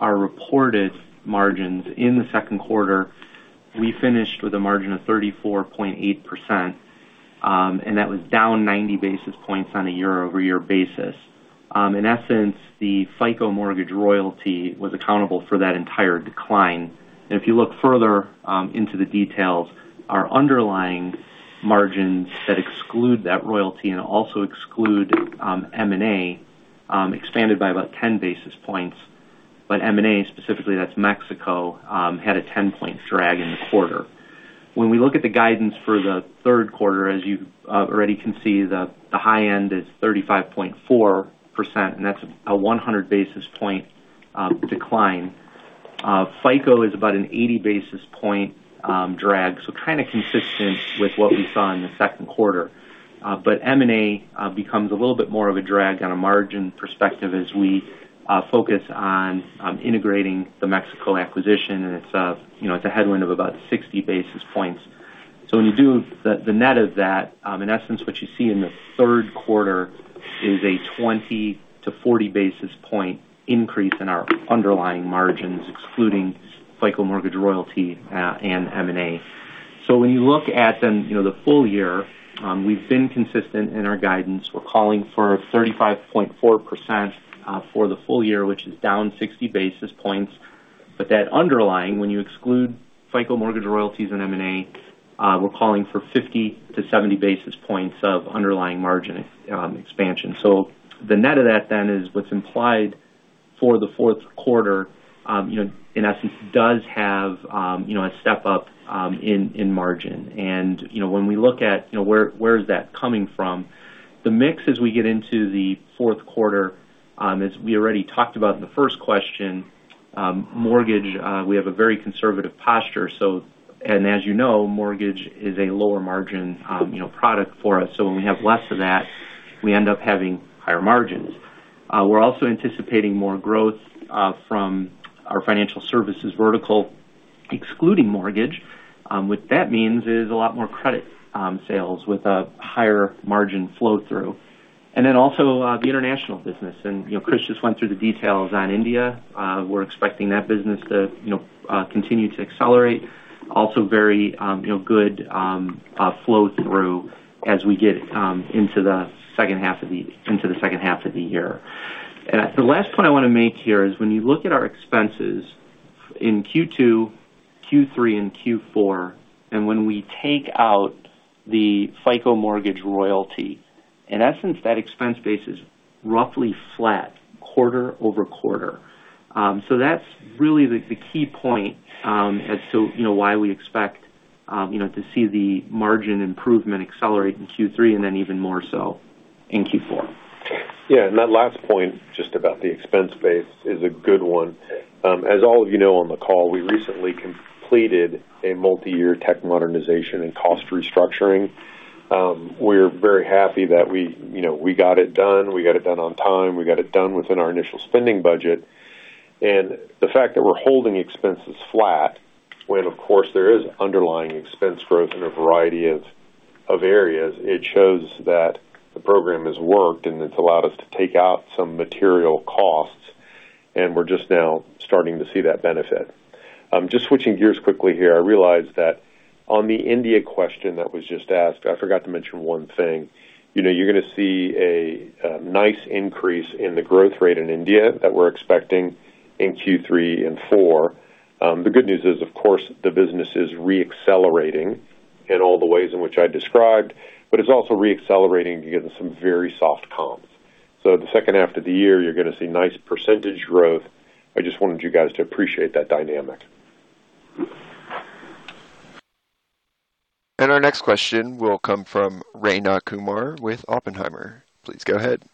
our reported margins in the second quarter, we finished with a margin of 34.8%, and that was down 90 basis points on a year-over-year basis. In essence, the FICO mortgage royalty was accountable for that entire decline. If you look further into the details, our underlying margins that exclude that royalty and also exclude M&A, expanded by about 10 basis points. M&A specifically, that's Mexico, had a 10-point drag in the quarter. When we look at the guidance for the third quarter, as you already can see, the high end is 35.4%, and that's a 100-basis point decline. FICO is about an 80-basis point drag, kind of consistent with what we saw in the second quarter. M&A becomes a little bit more of a drag on a margin perspective as we focus on integrating the Mexico acquisition, and it's a headwind of about 60 basis points. When you do the net of that, in essence, what you see in the third quarter is a 20-40 basis point increase in our underlying margins, excluding FICO mortgage royalty and M&A. When you look at the full year, we've been consistent in our guidance. We're calling for 35.4% for the full year, which is down 60 basis points. That underlying, when you exclude FICO mortgage royalties and M&A, we're calling for 50-70 basis points of underlying margin expansion. The net of that then is what's implied for the fourth quarter, in essence, does have a step up in margin. When we look at where is that coming from, the mix as we get into the fourth quarter, as we already talked about in the first question, mortgage, we have a very conservative posture. As you know, mortgage is a lower margin product for us. When we have less of that, we end up having higher margins. We're also anticipating more growth from our financial services vertical, excluding mortgage. What that means is a lot more credit sales with a higher margin flow-through. Also the international business. Chris just went through the details on India. We're expecting that business to continue to accelerate. Also very good flow through as we get into the second half of the year. The last point I want to make here is when you look at our expenses in Q2, Q3, and Q4, when we take out the FICO mortgage royalty, in essence, that expense base is roughly flat quarter-over-quarter. That's really the key point as to why we expect to see the margin improvement accelerate in Q3 and then even more so in Q4. Yeah. That last point, just about the expense base, is a good one. As all of you know on the call, we recently completed a multi-year tech modernization and cost restructuring. We're very happy that we got it done, we got it done on time. We got it done within our initial spending budget. The fact that we're holding expenses flat when, of course, there is underlying expense growth in a variety of areas, it shows that the program has worked, and it's allowed us to take out some material costs, and we're just now starting to see that benefit. Just switching gears quickly here, I realize that on the India question that was just asked, I forgot to mention one thing. You're going to see a nice increase in the growth rate in India that we're expecting in Q3 and four. The good news is, of course, the business is re-accelerating in all the ways in which I described, but it's also re-accelerating given some very soft comps. The second half of the year, you're going to see nice percentage growth. I just wanted you guys to appreciate that dynamic. Our next question will come from Rayna Kumar with Oppenheimer. Please go ahead.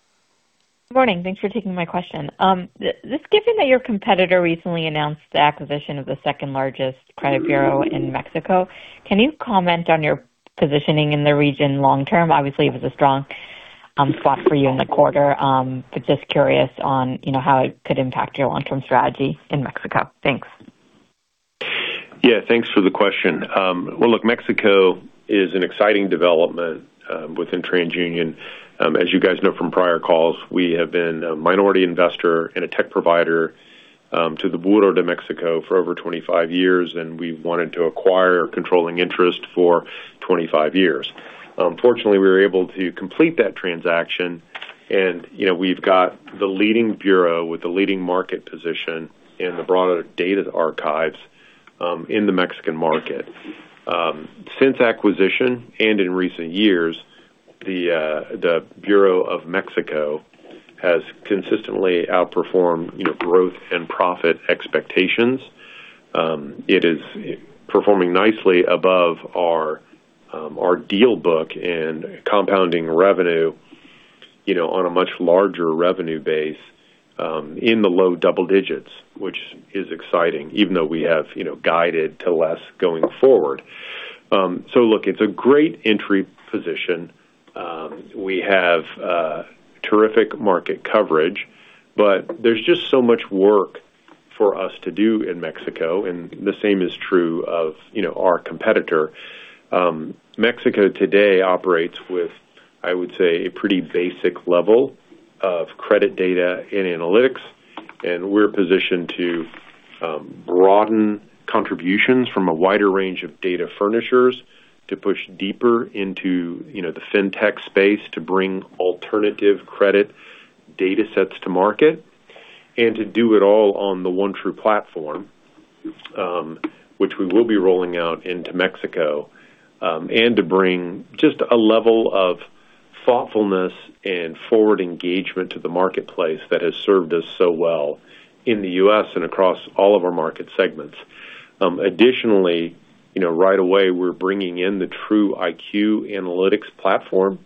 Good morning. Thanks for taking my question. Just given that your competitor recently announced the acquisition of the second-largest credit bureau in Mexico, can you comment on your positioning in the region long term? Obviously, it was a strong spot for you in the quarter. Just curious on how it could impact your long-term strategy in Mexico. Thanks. Yeah, thanks for the question. Look, Mexico is an exciting development within TransUnion. As you guys know from prior calls, we have been a minority investor and a tech provider to the Bureau of Mexico for over 25 years, and we've wanted to acquire a controlling interest for 25 years. Fortunately, we were able to complete that transaction, and we've got the leading bureau with the leading market position in the broader data archives in the Mexican market. Since acquisition and in recent years, the Bureau of Mexico has consistently outperformed growth and profit expectations. It is performing nicely above our deal book and compounding revenue on a much larger revenue base in the low double digits, which is exciting, even though we have guided to less going forward. Look, it's a great entry position. We have terrific market coverage, but there's just so much work for us to do in Mexico, and the same is true of our competitor. Mexico today operates with, I would say, a pretty basic level of credit data and analytics, and we're positioned to broaden contributions from a wider range of data furnishers to push deeper into the fintech space to bring alternative credit data sets to market, and to do it all on the OneTru platform, which we will be rolling out into Mexico. To bring just a level of thoughtfulness and forward engagement to the marketplace that has served us so well in the U.S. and across all of our market segments. Additionally, right away, we're bringing in the TruIQ analytics platform,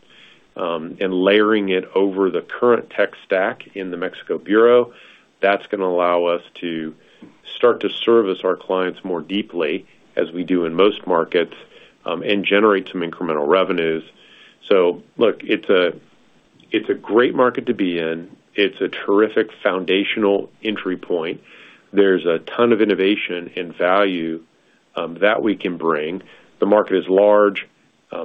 and layering it over the current tech stack in the Mexico Bureau. That's going to allow us to start to service our clients more deeply as we do in most markets, and generate some incremental revenues. Look, it's a great market to be in. It's a terrific foundational entry point. There's a ton of innovation and value that we can bring. The market is large,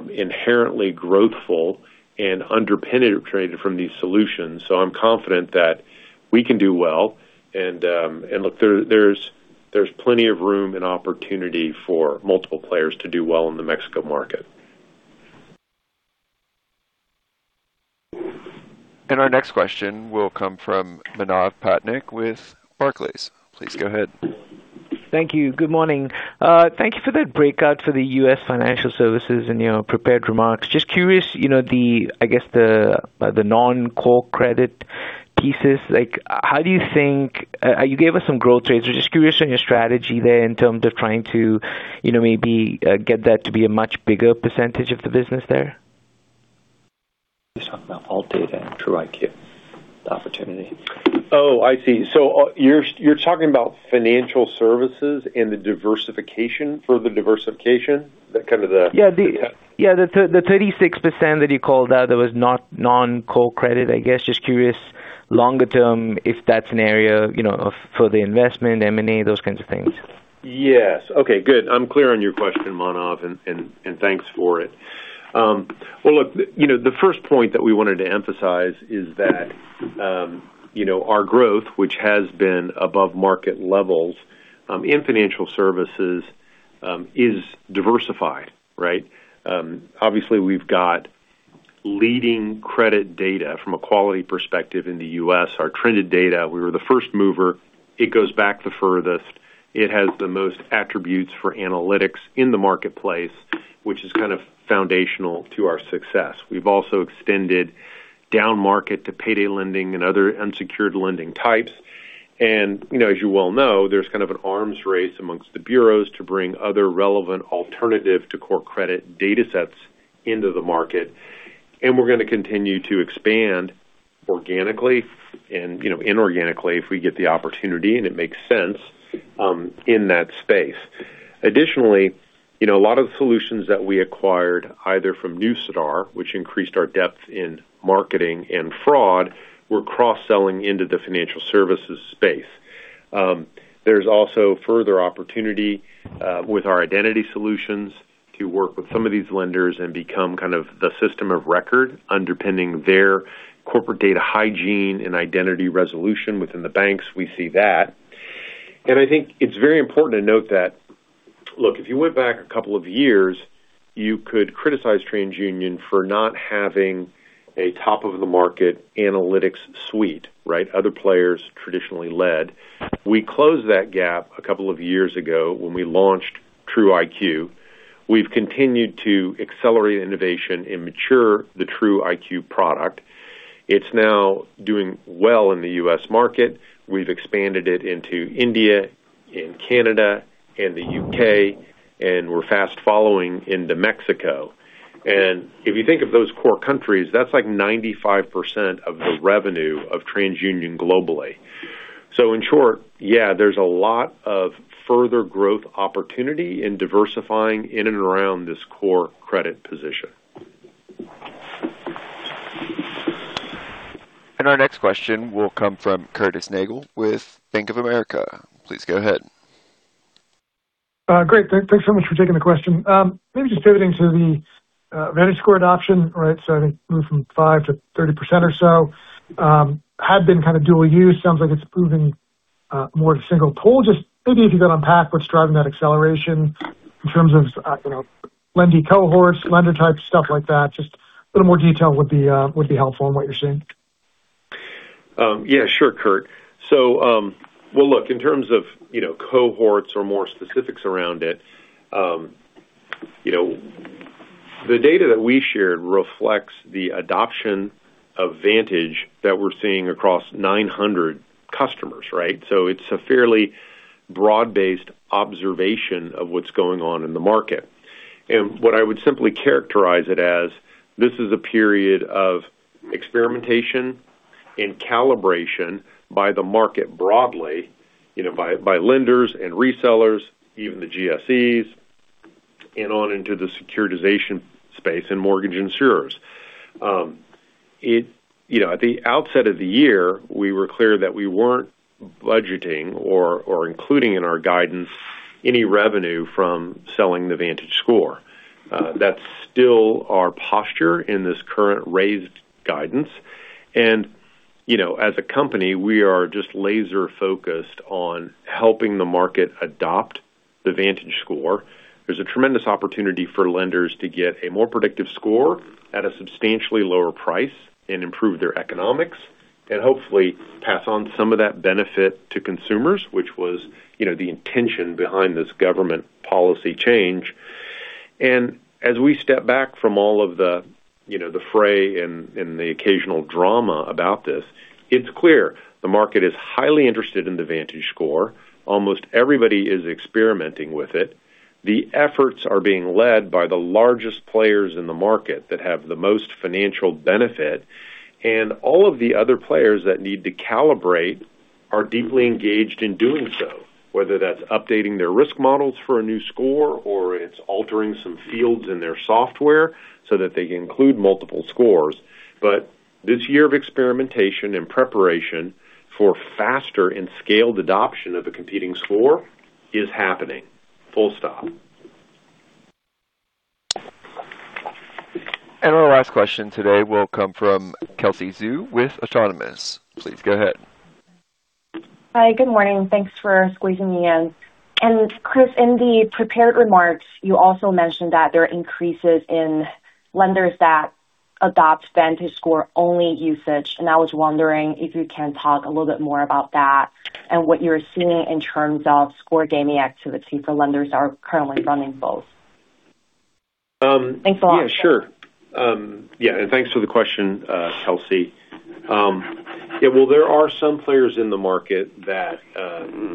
inherently growthful, and underpenetrated from these solutions. I'm confident that we can do well. Look, there's plenty of room and opportunity for multiple players to do well in the Mexico market. Our next question will come from Manav Patnaik with Barclays. Please go ahead. Thank you. Good morning. Thank you for that breakout for the U.S. financial services in your prepared remarks. Just curious, I guess the non-core credit pieces, you gave us some growth rates. We're just curious on your strategy there in terms of trying to maybe get that to be a much bigger % of the business there. He's talking about AltData and TruIQ opportunity. Oh, I see. You're talking about financial services and further diversification? That kind of Yeah. The 36% that you called out that was non-core credit, I guess, just curious longer term if that's an area for the investment, M&A, those kinds of things. Yes. Okay, good. I'm clear on your question, Manav, and thanks for it. Well, look, the first point that we wanted to emphasize is that our growth, which has been above market levels in financial services, is diversified. Obviously, we've got leading credit data from a quality perspective in the U.S., our trended data, we were the first mover. It goes back the furthest. It has the most attributes for analytics in the marketplace, which is foundational to our success. We've also extended down-market to payday lending and other unsecured lending types. As you well know, there's an arms race amongst the bureaus to bring other relevant alternative to core credit data sets into the market. We're going to continue to expand organically and inorganically if we get the opportunity, and it makes sense in that space. Additionally, a lot of the solutions that we acquired, either from Neustar, which increased our depth in marketing and fraud, were cross-selling into the financial services space. There's also further opportunity with our identity solutions to work with some of these lenders and become the system of record underpinning their corporate data hygiene and identity resolution within the banks. We see that. I think it's very important to note that, look, if you went back a couple of years, you could criticize TransUnion for not having a top-of-the-market analytics suite. Other players traditionally led. We closed that gap a couple of years ago when we launched TruIQ. We've continued to accelerate innovation and mature the TruIQ product. It's now doing well in the U.S. market. We've expanded it into India, Canada, and the U.K., we're fast following into Mexico. If you think of those core countries, that's like 95% of the revenue of TransUnion globally. In short, yeah, there's a lot of further growth opportunity in diversifying in and around this core credit position. Our next question will come from Curtis Nagle with Bank of America. Please go ahead. Great. Thanks so much for taking the question. Pivoting to the VantageScore adoption, right? I think moved from 5% to 30% or so, had been kind of dual use. Sounds like it's proving more of a single tool. If you could unpack what's driving that acceleration in terms of lender cohorts, lender types, stuff like that. A little more detail would be helpful on what you're seeing. Yeah, sure, Curt. In terms of cohorts or more specifics around it, the data that we shared reflects the adoption of Vantage that we're seeing across 900 customers, right? It's a fairly broad-based observation of what's going on in the market. What I would simply characterize it as, this is a period of experimentation and calibration by the market broadly, by lenders and resellers, even the GSEs, and on into the securitization space and mortgage insurers. At the outset of the year, we were clear that we weren't budgeting or including in our guidance any revenue from selling the VantageScore. That's still our posture in this current raised guidance. As a company, we are laser-focused on helping the market adopt the VantageScore. There's a tremendous opportunity for lenders to get a more predictive score at a substantially lower price and improve their economics and hopefully pass on some of that benefit to consumers, which was the intention behind this government policy change. As we step back from all of the fray and the occasional drama about this, it's clear the market is highly interested in the VantageScore. Almost everybody is experimenting with it. The efforts are being led by the largest players in the market that have the most financial benefit. All of the other players that need to calibrate are deeply engaged in doing so, whether that's updating their risk models for a new score, or it's altering some fields in their software so that they can include multiple scores. This year of experimentation and preparation for faster and scaled adoption of the competing score is happening, full stop. Our last question today will come from Kelsey Zhu with Autonomous. Please go ahead. Hi, good morning. Thanks for squeezing me in. Chris, in the prepared remarks, you also mentioned that there are increases in lenders that adopt VantageScore-only usage, and I was wondering if you can talk a little bit more about that and what you're seeing in terms of score gaming activity for lenders are currently running both. Thanks a lot. Yeah, sure. Thanks for the question, Kelsey. Well, there are some players in the market that,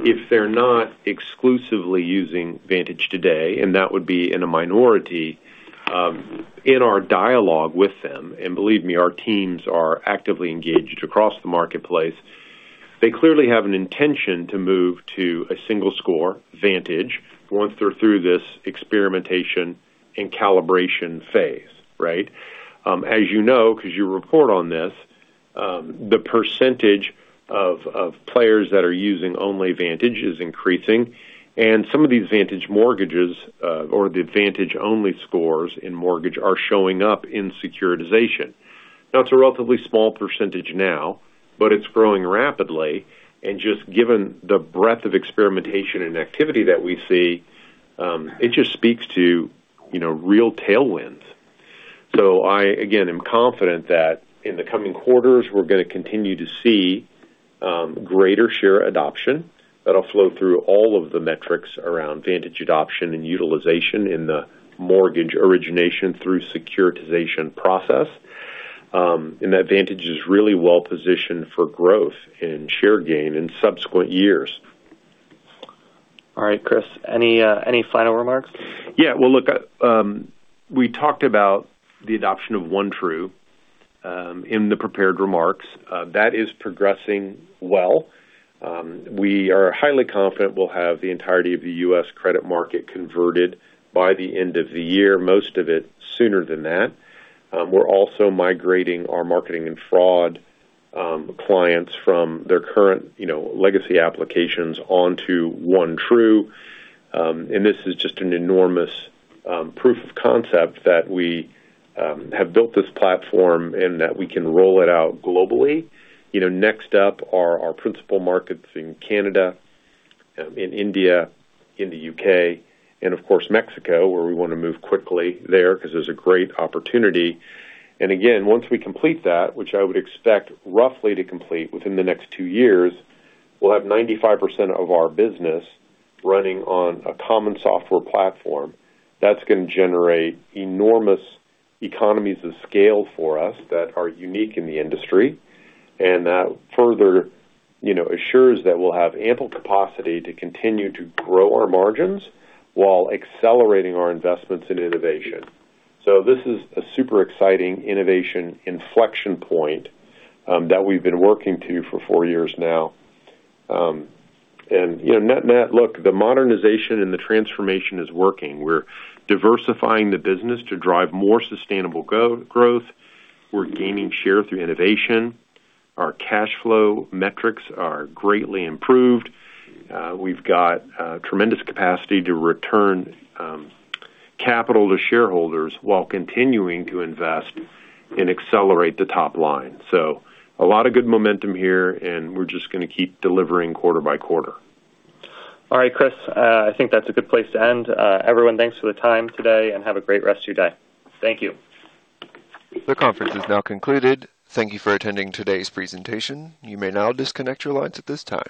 if they're not exclusively using Vantage today, and that would be in a minority, in our dialogue with them, and believe me, our teams are actively engaged across the marketplace, they clearly have an intention to move to a single score, Vantage, once they're through this experimentation and calibration phase. Right? As you know, because you report on this, the percentage of players that are using only Vantage is increasing, and some of these Vantage mortgages, or the Vantage-only scores in mortgage, are showing up in securitization. Now, it's a relatively small percentage now, but it's growing rapidly, just given the breadth of experimentation and activity that we see, it just speaks to real tailwinds. I, again, am confident that in the coming quarters, we're going to continue to see greater share adoption. That'll flow through all of the metrics around Vantage adoption and utilization in the mortgage origination through securitization process. That Vantage is really well-positioned for growth and share gain in subsequent years. All right, Chris, any final remarks? Well, look, we talked about the adoption of OneTru in the prepared remarks. That is progressing well. We are highly confident we'll have the entirety of the U.S. credit market converted by the end of the year, most of it sooner than that. We're also migrating our marketing and fraud clients from their current legacy applications onto OneTru. This is just an enormous proof of concept that we have built this platform and that we can roll it out globally. Next up are our principal markets in Canada, in India, in the U.K., and of course, Mexico, where we want to move quickly there because there's a great opportunity. Again, once we complete that, which I would expect roughly to complete within the next 2 years, we'll have 95% of our business running on a common software platform. That's going to generate enormous economies of scale for us that are unique in the industry. That further assures that we'll have ample capacity to continue to grow our margins while accelerating our investments in innovation. This is a super exciting innovation inflection point that we've been working to for four years now. Net, look, the modernization and the transformation is working. We're diversifying the business to drive more sustainable growth. We're gaining share through innovation. Our cash flow metrics are greatly improved. We've got tremendous capacity to return capital to shareholders while continuing to invest and accelerate the top line. A lot of good momentum here, and we're just going to keep delivering quarter by quarter. All right, Chris. I think that's a good place to end. Everyone, thanks for the time today, and have a great rest of your day. Thank you. The conference is now concluded. Thank you for attending today's presentation. You may now disconnect your lines at this time.